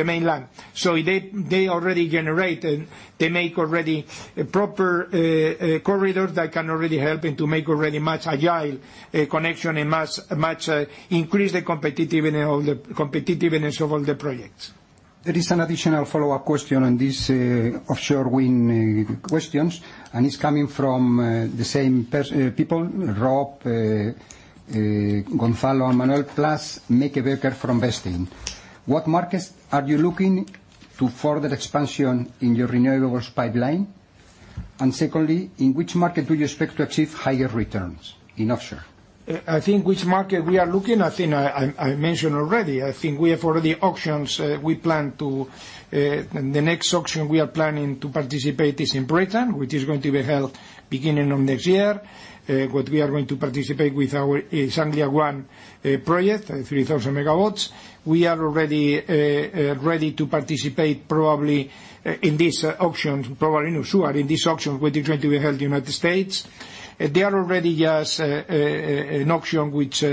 mainland. They already generate and they make already proper corridors that can already help to make already much agile connection and much increase the competitiveness of all the projects. There is an additional follow-up question on these offshore wind questions, and it's coming from the same people, Rob, Gonzalo, Manuel, plus [Mike Baker from Davidson]. What markets are you looking to for expansion in your renewables pipeline? Secondly, in which market do you expect to achieve higher returns in offshore? I think which market we are looking, I think I mentioned already. I think we have already the auctions. The next auction we are planning to participate is in the U.K., which is going to be held beginning of next year, what we are going to participate with our East Anglia ONE project, 3,000 MW. We are already ready to participate probably in this auction, not sure, in this auction, which is going to be held U.S. There are already an auction which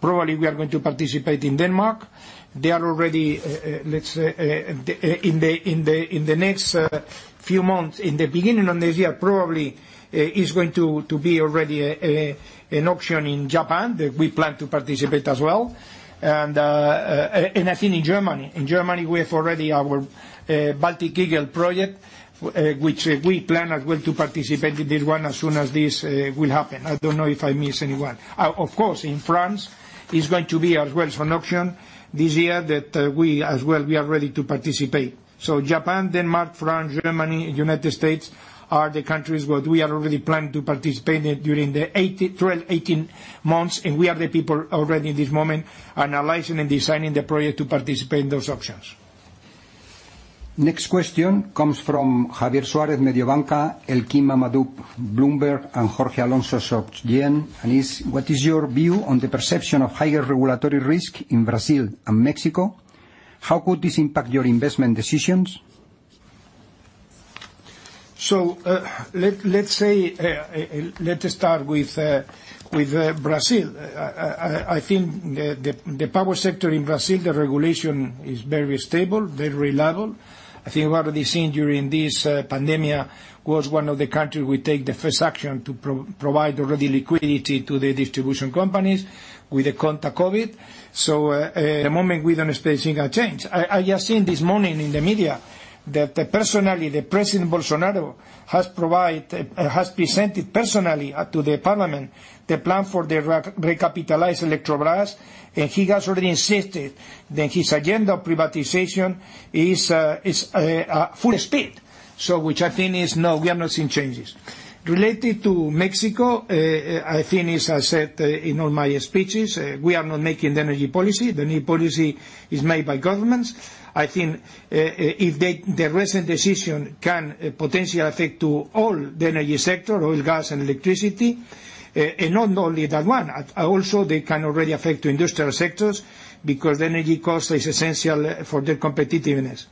probably we are going to participate in Denmark. In the next few months, in the beginning of next year, probably is going to be already an auction in Japan that we plan to participate as well. I think in Germany. In Germany, we have already our Baltic Eagle project, which we plan as well to participate in this one as soon as this will happen. I don't know if I miss anyone. In France, it's going to be as well an auction this year that we are ready to participate. Japan, Denmark, France, Germany, United States are the countries where we are already planning to participate during the 18 months, and we are the people already in this moment analyzing and designing the project to participate in those auctions. Next question comes from Javier Suárez, Mediobanca, Elchin Mammadov, Bloomberg, and Jorge Alonso of SocGen, and is, what is your view on the perception of higher regulatory risk in Brazil and Mexico? How could this impact your investment decisions? Let's start with Brazil. I think the power sector in Brazil, the regulation is very stable, very reliable. I think what we've seen during this pandemic, it was one of the countries who take the first action to provide already liquidity to the distribution companies with the Conta-COVID. At the moment, we don't expect any change. I just seen this morning in the media that personally, the President Bolsonaro has presented personally to the parliament the plan for the recapitalized Eletrobras, and he has already insisted that his agenda of privatization is full speed. Which I think is, no, we have not seen changes. Related to Mexico, I think as I said in all my speeches, we are not making the energy policy. The new policy is made by governments. I think if the recent decision can potentially affect to all the energy sector, oil, gas, and electricity, and not only that one, also they can already affect industrial sectors because energy cost is essential for their competitiveness.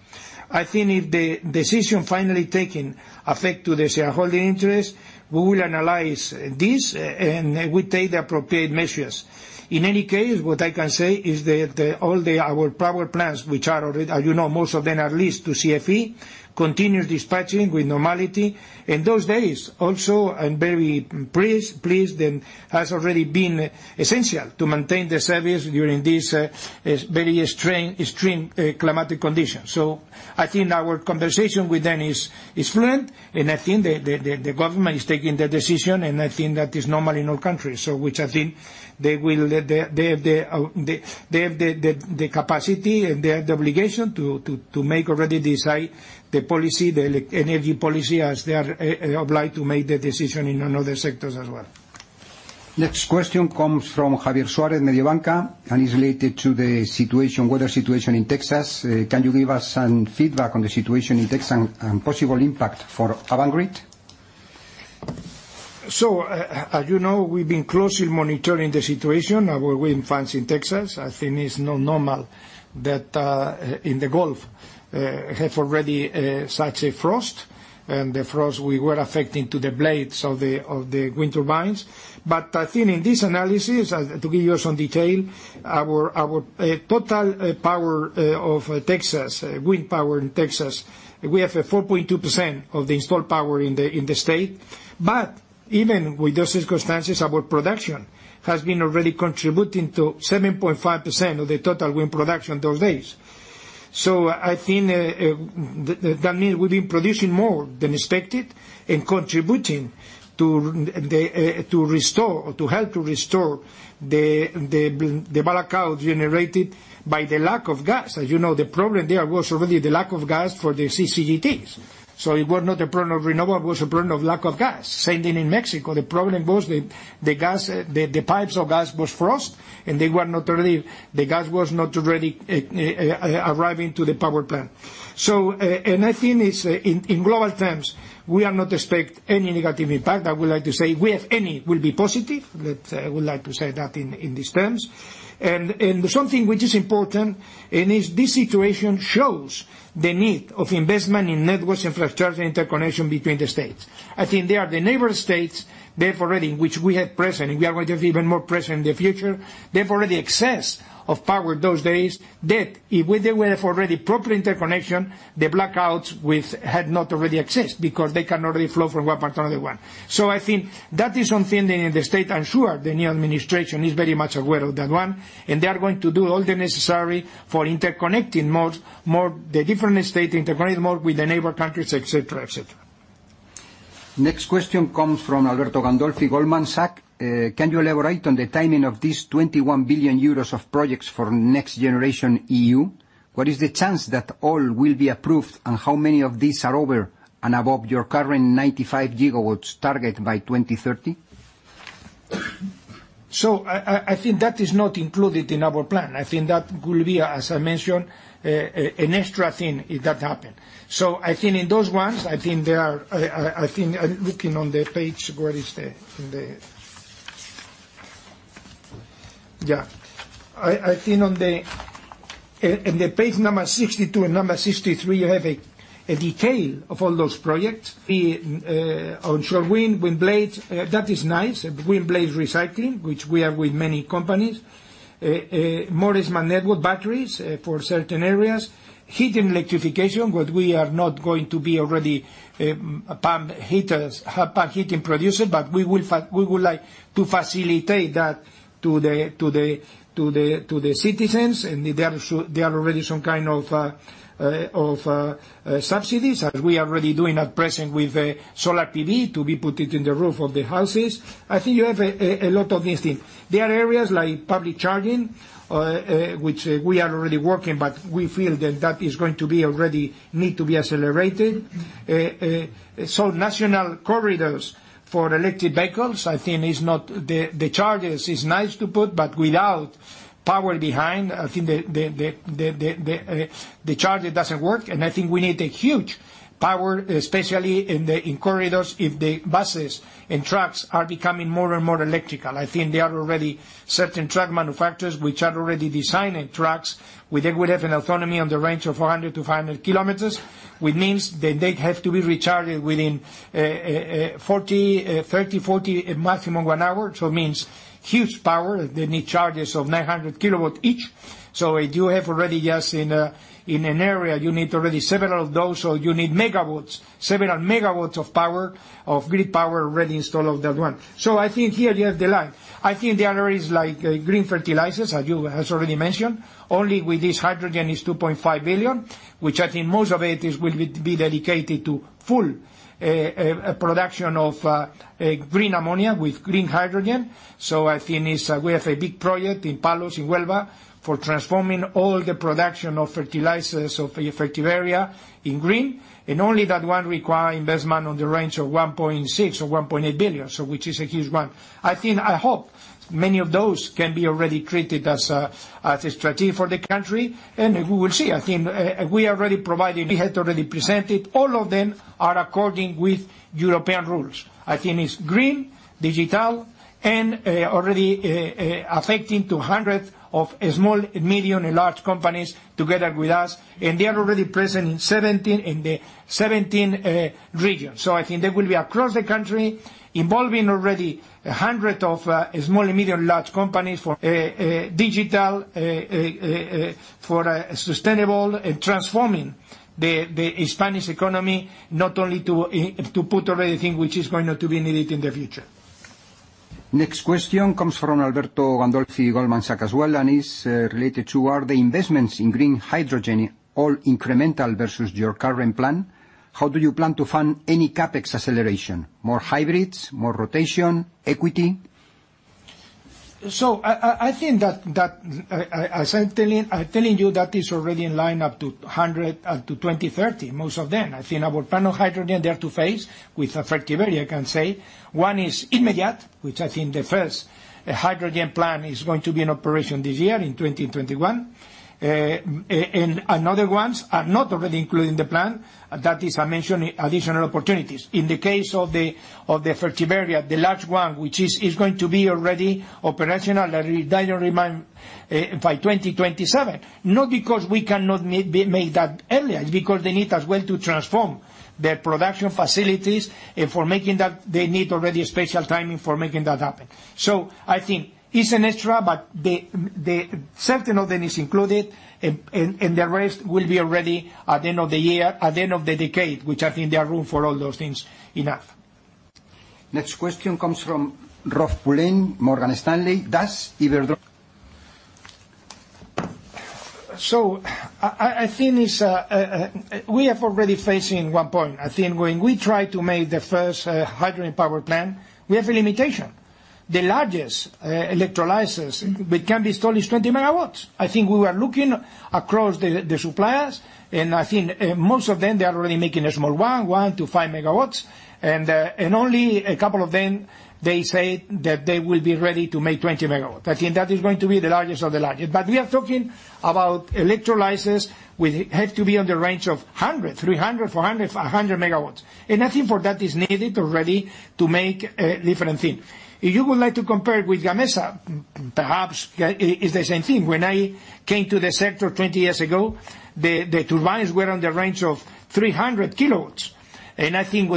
I think if the decision finally taking affect to the shareholding interest, we will analyze this, and we take the appropriate measures. In any case, what I can say is that all our power plants, which are already, as you know, most of them are leased to CFE, continue dispatching with normality. In those days also, I'm very pleased that has already been essential to maintain the service during this very extreme climatic condition. I think our conversation with them is fluent, and I think the government is taking the decision, and I think that is normal in all countries. Which I think they have the capacity and they have the obligation to make already decide the policy, the energy policy, as they are obliged to make the decision in another sectors as well. Next question comes from Javier Suárez, Mediobanca, and is related to the weather situation in Texas. Can you give us some feedback on the situation in Texas and possible impact for Avangrid? As you know, we've been closely monitoring the situation, our wind farms in Texas. I think it's not normal that in the Gulf have already such a frost, and the frost were affecting to the blades of the wind turbines. I think in this analysis, to give you some detail, our total power of Texas, wind power in Texas, we have 4.2% of the installed power in the state. Even with those circumstances, our production has been already contributing to 7.5% of the total wind production those days. I think that means we've been producing more than expected and contributing to help to restore the blackouts generated by the lack of gas. As you know, the problem there was already the lack of gas for the CCGTs. It was not a problem of renewable, it was a problem of lack of gas. Same thing in Mexico. The problem was the pipes of gas were frozen and the gas was not already arriving to the power plant. I think in global terms, we are not expect any negative impact. I would like to say, if any, will be positive. I would like to say that in these terms. Something which is important, and this situation shows the need of investment in networks infrastructure and interconnection between the states. I think they are the neighbor states, they have already, which we have present, and we are going to have even more present in the future. They have already excess of power those days that if they would have already proper interconnection, the blackouts had not already existed because they can already flow from one part to another one. I think that is something the state, I'm sure the new administration is very much aware of that one. They are going to do all the necessary for interconnecting more the different state, interconnect more with the neighbor countries, et cetera. Next question comes from Alberto Gandolfi, Goldman Sachs. Can you elaborate on the timing of these 21 billion euros of projects for Next Generation EU? What is the chance that all will be approved, and how many of these are over and above your current 95 GW target by 2030? I think that is not included in our plan. I think that will be, as I mentioned, an extra thing if that happen. I think in those ones, I'm looking on the page. I think on page 62 and 63, you have a detail of all those projects. The onshore wind blades, that is nice. Wind blade recycling, which we have with many companies. More smart network batteries for certain areas. Heating electrification, but we are not going to be already a pump heaters, pump heating producer, but we would like to facilitate that to the citizens, and there are already some kind of subsidies, as we are already doing at present with solar PV to be put it in the roof of the houses. I think you have a lot of these things. There are areas like public charging, which we are already working, but we feel that is going to be already need to be accelerated. National corridors for electric vehicles, I think the charges is nice to put, but without power behind, I think the charger doesn't work. I think we need a huge power, especially in corridors, if the buses and trucks are becoming more and more electrical. I think there are already certain truck manufacturers which are already designing trucks where they will have an autonomy on the range of 100 km to 500 km, which means that they have to be recharged within 30, 40, maximum one hour. It means huge power. They need charges of 900 kW each. If you have already just in an area, you need already several of those, you need several megawatts of grid power already installed on that one. I think here you have the line. I think there are areas like green fertilizers, as you have already mentioned. Only with this hydrogen, is 2.5 billion, which I think most of it is will be dedicated to full production of green ammonia with green hydrogen. I think we have a big project in Palos, in Huelva for transforming all the production of fertilizers of Fertiberia in green, and only that one require investment on the range of 1.6 billion or 1.8 billion, which is a huge one. I think, I hope many of those can be already treated as a strategy for the country, and we will see. I think we had already presented, all of them are according with European rules. I think it's green, digital, and already affecting to 100 of small, medium, and large companies together with us, and they are already present in the 17 regions. I think they will be across the country, involving already 100 of small, medium, large companies for digital, for sustainable, and transforming the Spanish economy, not only to put already thing which is going to be needed in the future. Next question comes from Alberto Gandolfi, Goldman Sachs as well, and is related to, are the investments in green hydrogen all incremental versus your current plan? How do you plan to fund any CapEx acceleration? More hybrids, more rotation, equity? I think that, as I'm telling you, that is already in line up to 100, up to 2030, most of them. I think our plan of hydrogen, they are two phase with Fertiberia, I can say. One is immediate, which I think the first hydrogen plan is going to be in operation this year in 2021. Another ones are not already included in the plan. That is, I mentioned, additional opportunities. In the case of the Fertiberia, the large one, which is going to be already operational by 2027. Not because we cannot make that earlier, it's because they need as well to transform their production facilities. For making that, they need already special timing for making that happen. I think it's an extra, but certain of them is included, and the rest will be ready at the end of the decade, which I think there are room for all those things enough. Next question comes from Rob Pulleyn, Morgan Stanley. Does Iberdrola [AUDIO DISTORTION] We have already facing one point. I think when we try to make the first hydrogen power plant, we have a limitation. The largest electrolyzers which can be installed is 20 MW. We were looking across the suppliers, and I think most of them, they are already making a small one, 1-5 MW. Only a couple of them, they say that they will be ready to make 20 MW. I think that is going to be the largest of the largest. We are talking about electrolyzers which have to be on the range of 100, 300, 400, 500 MW. For that is needed already to make a different thing. If you would like to compare it with Gamesa, perhaps it's the same thing. When I came to the sector 20 years ago, the turbines were on the range of 300 kW. I think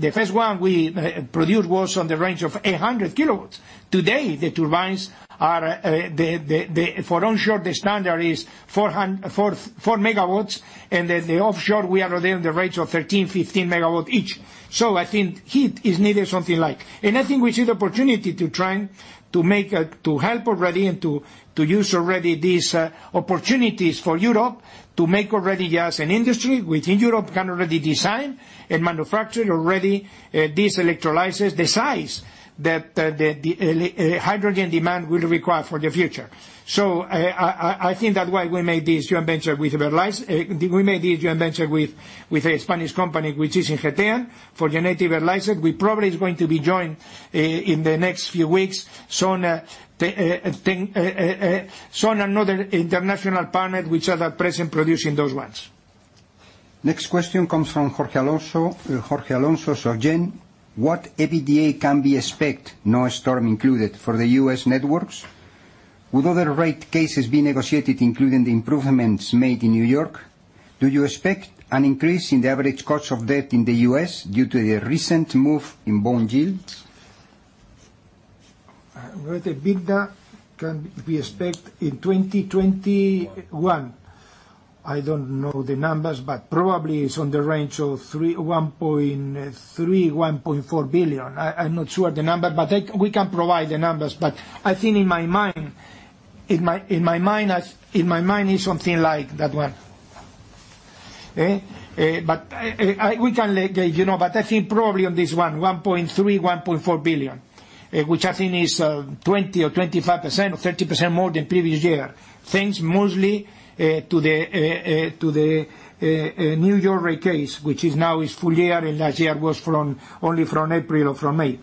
the first one we produced was on the range of 800 kW. Today, the turbines are, for onshore, the standard is 4 MW. The offshore, we are within the range of 13, 15 MW each. I think it is needed. I think we see the opportunity to try to help already and to use already these opportunities for Europe to make already just an industry within Europe can already design and manufacture these electrolyzers, the size that the hydrogen demand will require for the future. I think that's why we made this joint venture with a Spanish company, which is Ingeteam, for large-scale electrolyzers. We probably is going to be joined in the next few weeks, soon another international partner which are at present producing those ones. Next question comes from Jorge Alonso, SocGen. What EBITDA can be expect, no storm included, for the U.S. networks? With other rate cases being negotiated, including the improvements made in New York, do you expect an increase in the average cost of debt in the U.S. due to the recent move in bond yields? What EBITDA can be expect in 2021? I don't know the numbers, probably it's on the range of $1.3 billion-$1.4 billion. I'm not sure the number, we can provide the numbers. I think in my mind, it's something like that one. We can let you know, I think probably on this one, $1.3 billion-$1.4 billion, which I think is 20% or 25% or 30% more than previous year, thanks mostly to the New York rate case, which is now is full year, and last year was only from April or from May.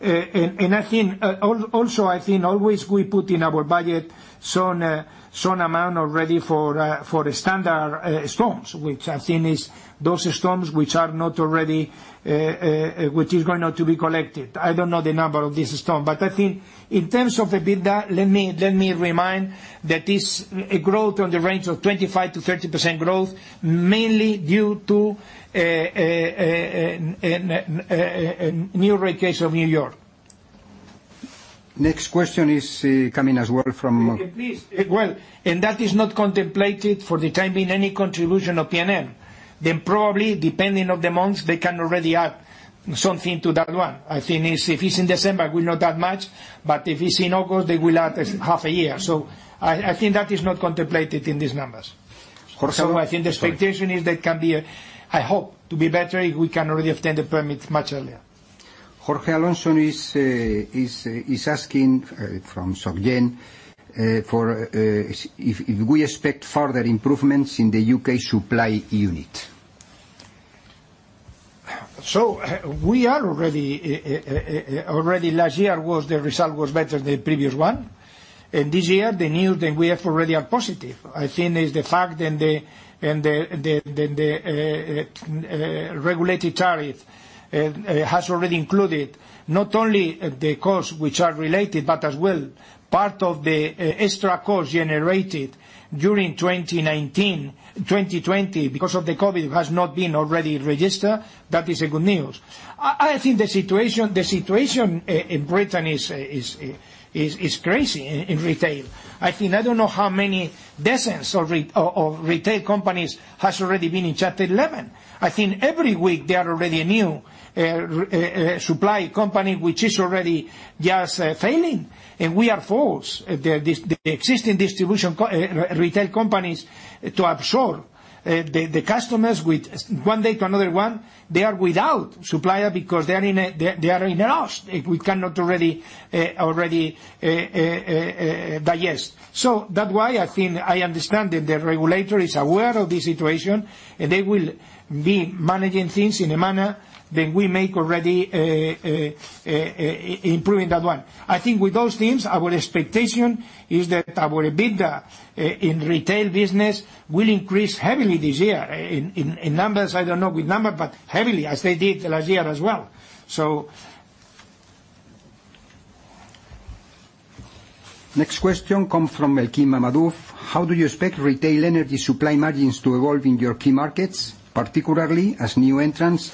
I think always we put in our budget some amount already for standard storms, which I think is those storms which is going to be collected. I don't know the number of this storm. I think in terms of EBITDA, let me remind that is a growth on the range of 25%-30% growth, mainly due to new rate case of New York. Next question is coming as well from- Please. Well, that is not contemplated for the time being, any contribution of PNM. Probably, depending on the months, they can already add something to that one. I think if it's in December, it will not that much, but if it's in August, they will add half a year. I think that is not contemplated in these numbers. Jorge Alonso- I think the expectation is there can be, I hope, to be better if we can already obtain the permits much earlier. Jorge Alonso is asking, from SocGen, if we expect further improvements in the U.K. supply unit. We are already, last year the result was better than the previous one. This year, the news that we have already are positive. I think it's the fact that the regulated tariff has already included not only the costs which are related, but as well part of the extra cost generated during 2019, 2020 because of the COVID, has not been already registered. That is a good news. I think the situation in Britain is crazy in retail. I don't know how many dozens of retail companies has already been in Chapter 11. I think every week there are already a new supply company which is already just failing. We are forced, the existing distribution retail companies, to absorb the customers with one day to another one. They are without supplier because they are in a rush. We cannot already digest. That's why I think I understand that the regulator is aware of the situation, and they will be managing things in a manner that we make already improving that one. I think with those things, our expectation is that our EBITDA in retail business will increase heavily this year. In numbers, I don't know with number, but heavily, as they did last year as well. Next question come from Elchin Mammadov. How do you expect retail energy supply margins to evolve in your key markets, particularly as new entrants,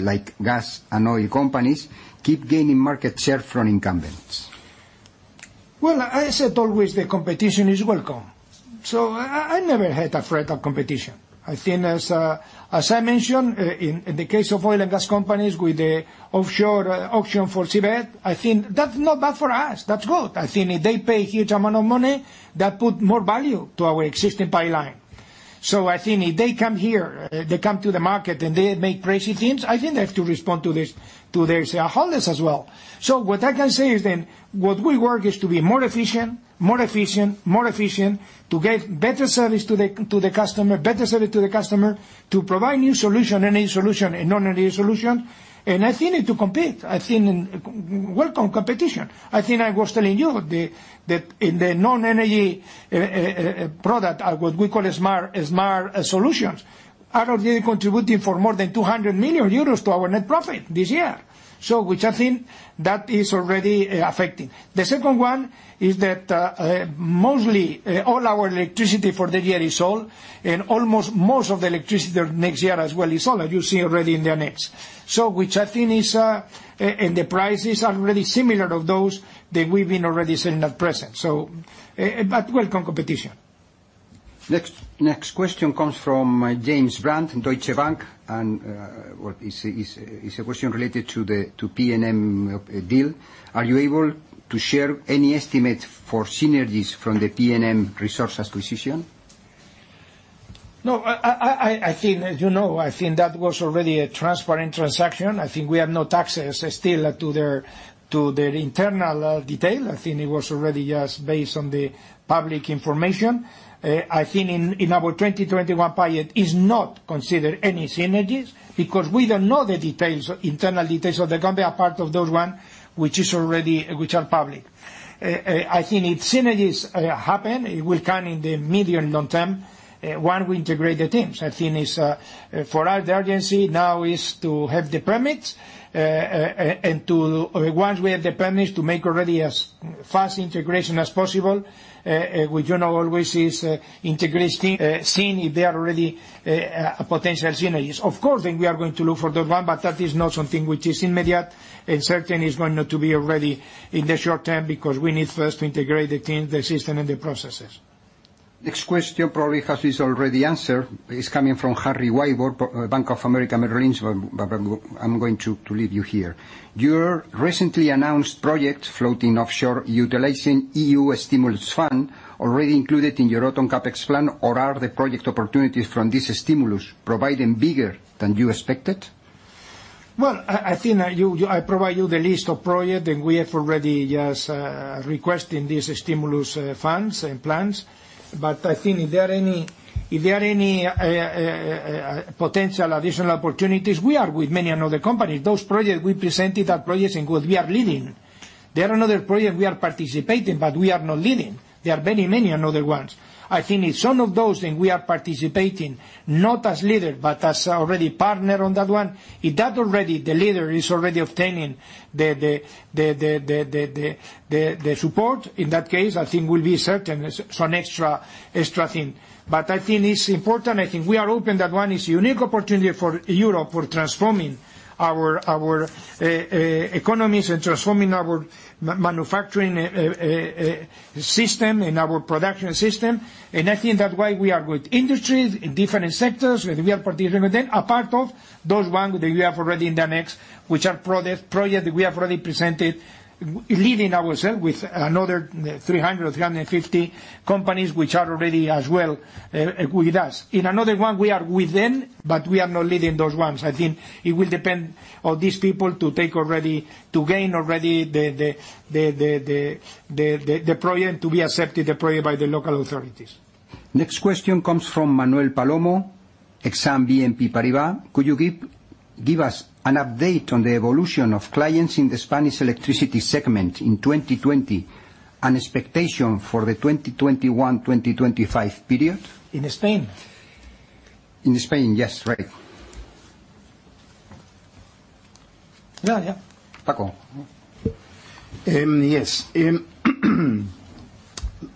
like gas and oil companies, keep gaining market share from incumbents? I said always that competition is welcome. I never had a fret of competition. I think as I mentioned, in the case of oil and gas companies with the offshore auction for seabed, I think that's not bad for us. That's good. I think if they pay a huge amount of money, that put more value to our existing pipeline. I think if they come here, they come to the market and they make crazy things, I think they have to respond to their shareholders as well. What I can say is then what we work is to be more efficient, to get better service to the customer, to provide new solution, energy solution, and non-energy solution. I think to compete, I think welcome competition. I think I was telling you that in the non-energy product, what we call Smart Solutions, are already contributing for more than 200 million euros to our net profit this year, which I think that is already affecting. The second one is that mostly all our electricity for the year is sold, and almost most of the electricity next year as well is sold, as you see already in the annex. Which I think is. The prices are really similar of those that we've been already seeing at present. Welcome competition. Next question comes from James Brand in Deutsche Bank, and it's a question related to PNM deal. Are you able to share any estimate for synergies from the PNM Resources acquisition? No, as you know, I think that was already a transparent transaction. I think we have no access still to their internal detail. I think it was already just based on the public information. I think in our 2021 budget is not considered any synergies because we don't know the internal details. There can be a part of those one which are public. I think if synergies happen, it will come in the medium long term, one, we integrate the teams. I think it is for us the urgency now is to have the permits, and once we have the permits, to make already as fast integration as possible, which you know always is integrating, seeing if there are already potential synergies. Of course, we are going to look for that one. That is not something which is immediate and certain it's going to be ready in the short term because we need first to integrate the team, the system and the processes. Next question probably has this already answered. It is coming from Harry Wyburd, Bank of America, Merrill Lynch. I am going to leave you here. Your recently announced project, floating offshore utilization EU stimulus fund already included in your autumn CapEx plan, or are the project opportunities from this stimulus providing bigger than you expected? Well, I think I provide you the list of project, and we have already just requesting these stimulus funds and plans. I think if there are any potential additional opportunities, we are with many another company. Those projects we presented are projects in which we are leading. There are another project we are participating, but we are not leading. There are many another ones. I think in some of those then we are participating not as leader, but as already partner on that one. If that already the leader is already obtaining the support, in that case, I think will be certain some extra thing. I think it's important. I think we are open. That one is unique opportunity for Europe, for transforming our economies and transforming our manufacturing system and our production system. I think that's why we are with industries in different sectors, and we are participating with them apart of those one that we have already in the mix, which are projects we have already presented leading ourself with another 300, 350 companies, which are already as well with us. In another one we are with them, but we are not leading those ones. I think it will depend on these people to gain already the project to be accepted, the project by the local authorities. Next question comes from Manuel Palomo, Exane BNP Paribas. Could you give us an update on the evolution of clients in the Spanish electricity segment in 2020, and expectation for the 2021-2025 period? In Spain? In Spain, yes. Right. Yeah. Paco?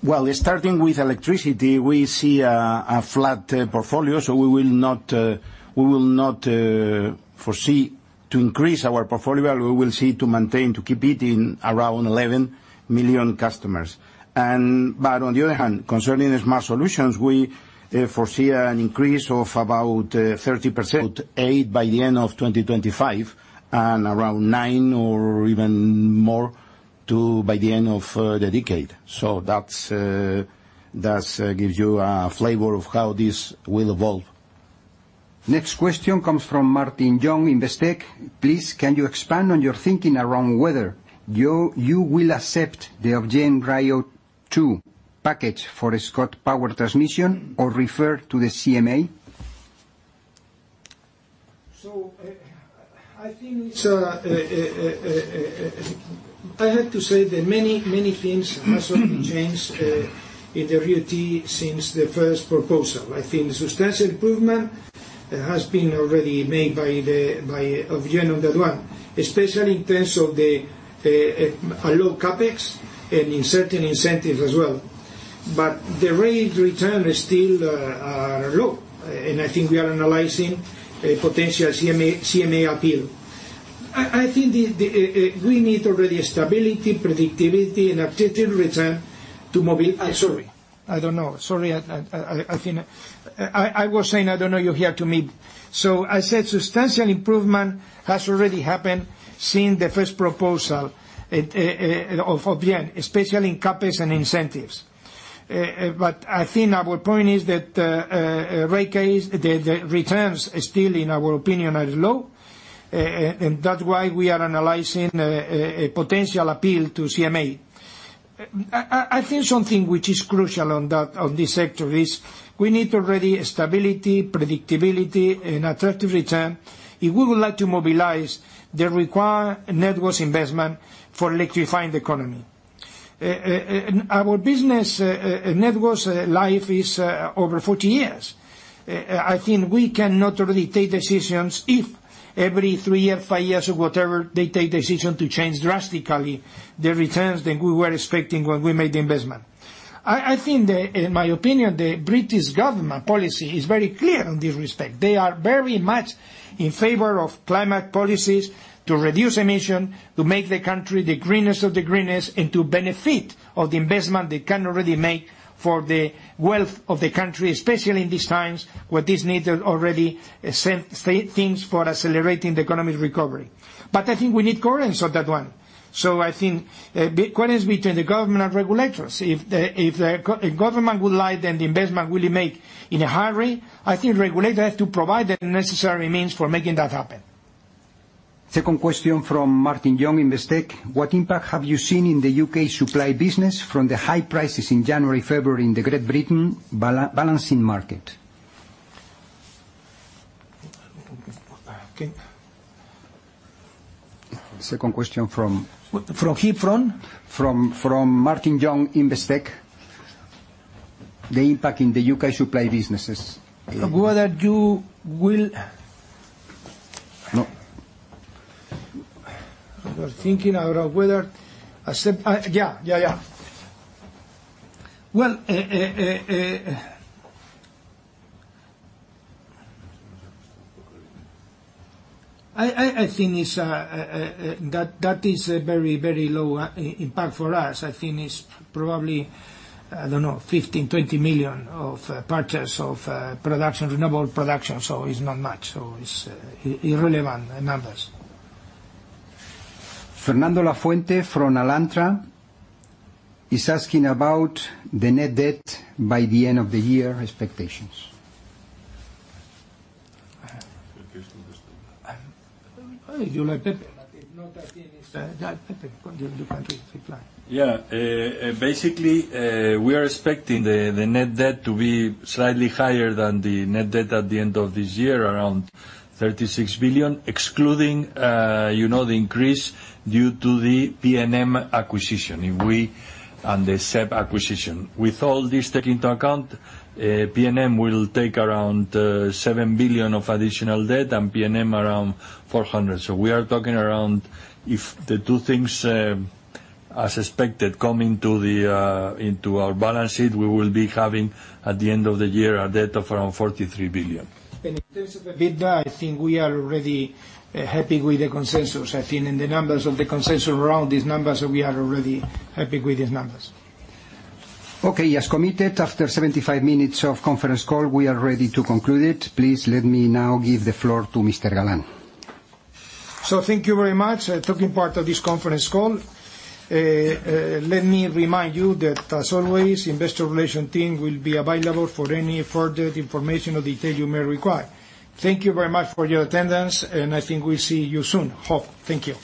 Well, starting with electricity, we see a flat portfolio, so we will not foresee to increase our portfolio. We will see to maintain, to keep it in around 11 million customers. On the other hand, concerning Smart Solutions, we foresee an increase of about 30%, eight by the end of 2025, and around nine or even more by the end of the decade. That gives you a flavor of how this will evolve. Next question comes from Martin Young, Investec. Please, can you expand on your thinking around whether you will accept the Ofgem RIIO-2 package for a ScottishPower Transmission or refer to the CMA? I have to say that many things has already changed in the RIIO-T2 since the first proposal. I think substantial improvement has been already made by Ofgem on that one, especially in terms of the low CapEx and in certain incentives as well. The rate return is still low, and I think we are analyzing a potential CMA appeal. I think we need already stability, predictability, and attractive return to. Sorry. I don't know. Sorry. I was saying, I don't know, you have to mute. I said substantial improvement has already happened since the first proposal of Ofgem, especially in CapEx and incentives. I think our point is that rate case, the returns still, in our opinion, are low, and that's why we are analyzing a potential appeal to CMA. I think something which is crucial on this sector is we need already stability, predictability, and attractive return if we would like to mobilize the required networks investment for electrifying the economy. Our business networks life is over 40 years. I think we cannot really take decisions if every three or five years or whatever, they take decision to change drastically the returns that we were expecting when we made the investment. I think, in my opinion, the British government policy is very clear in this respect. They are very much in favor of climate policies to reduce emission, to make the country the greenest of the greenest, and to benefit of the investment they can already make for the wealth of the country, especially in these times where these needed already things for accelerating the economic recovery. I think we need coherence on that one. I think coherence between the government and regulators. If the government would like then the investment will make in a hurry, I think regulators have to provide the necessary means for making that happen. Second question from Martin Young, Investec. What impact have you seen in the U.K. supply business from the high prices in January and February in the Great Britain balancing market? Okay. Second question from. From whom? From Martin Young, Investec. The impact in the U.K. supply businesses. Whether you will No. I was thinking about whether, yeah, well, I think that is a very low impact for us. I think it's probably, I don't know, 15 million, 20 million of purchase of renewable production. It's not much. It's irrelevant numbers. Fernando Lafuente from Alantra is asking about the net debt by the end of the year expectations. Would you like that? Yeah, Pepe, you can reply. Yeah. Basically, we are expecting the net debt to be slightly higher than the net debt at the end of this year, around 36 billion, excluding the increase due to the PNM acquisition and the CEB acquisition. With all this taken into account, PNM will take around 7 billion of additional debt and CEB around 400. We are talking around, if the two things are suspected coming into our balance sheet, we will be having, at the end of the year, a debt of around 43 billion. In terms of the EBITDA, I think we are already happy with the consensus. I think in the numbers of the consensus around these numbers, we are already happy with these numbers. Okay. As committed, after 75 minutes of conference call, we are ready to conclude it. Please let me now give the floor to Mr. Galán. Thank you very much for taking part of this conference call. Let me remind you that, as always, investor relation team will be available for any further information or detail you may require. Thank you very much for your attendance, and I think we'll see you soon. Thank you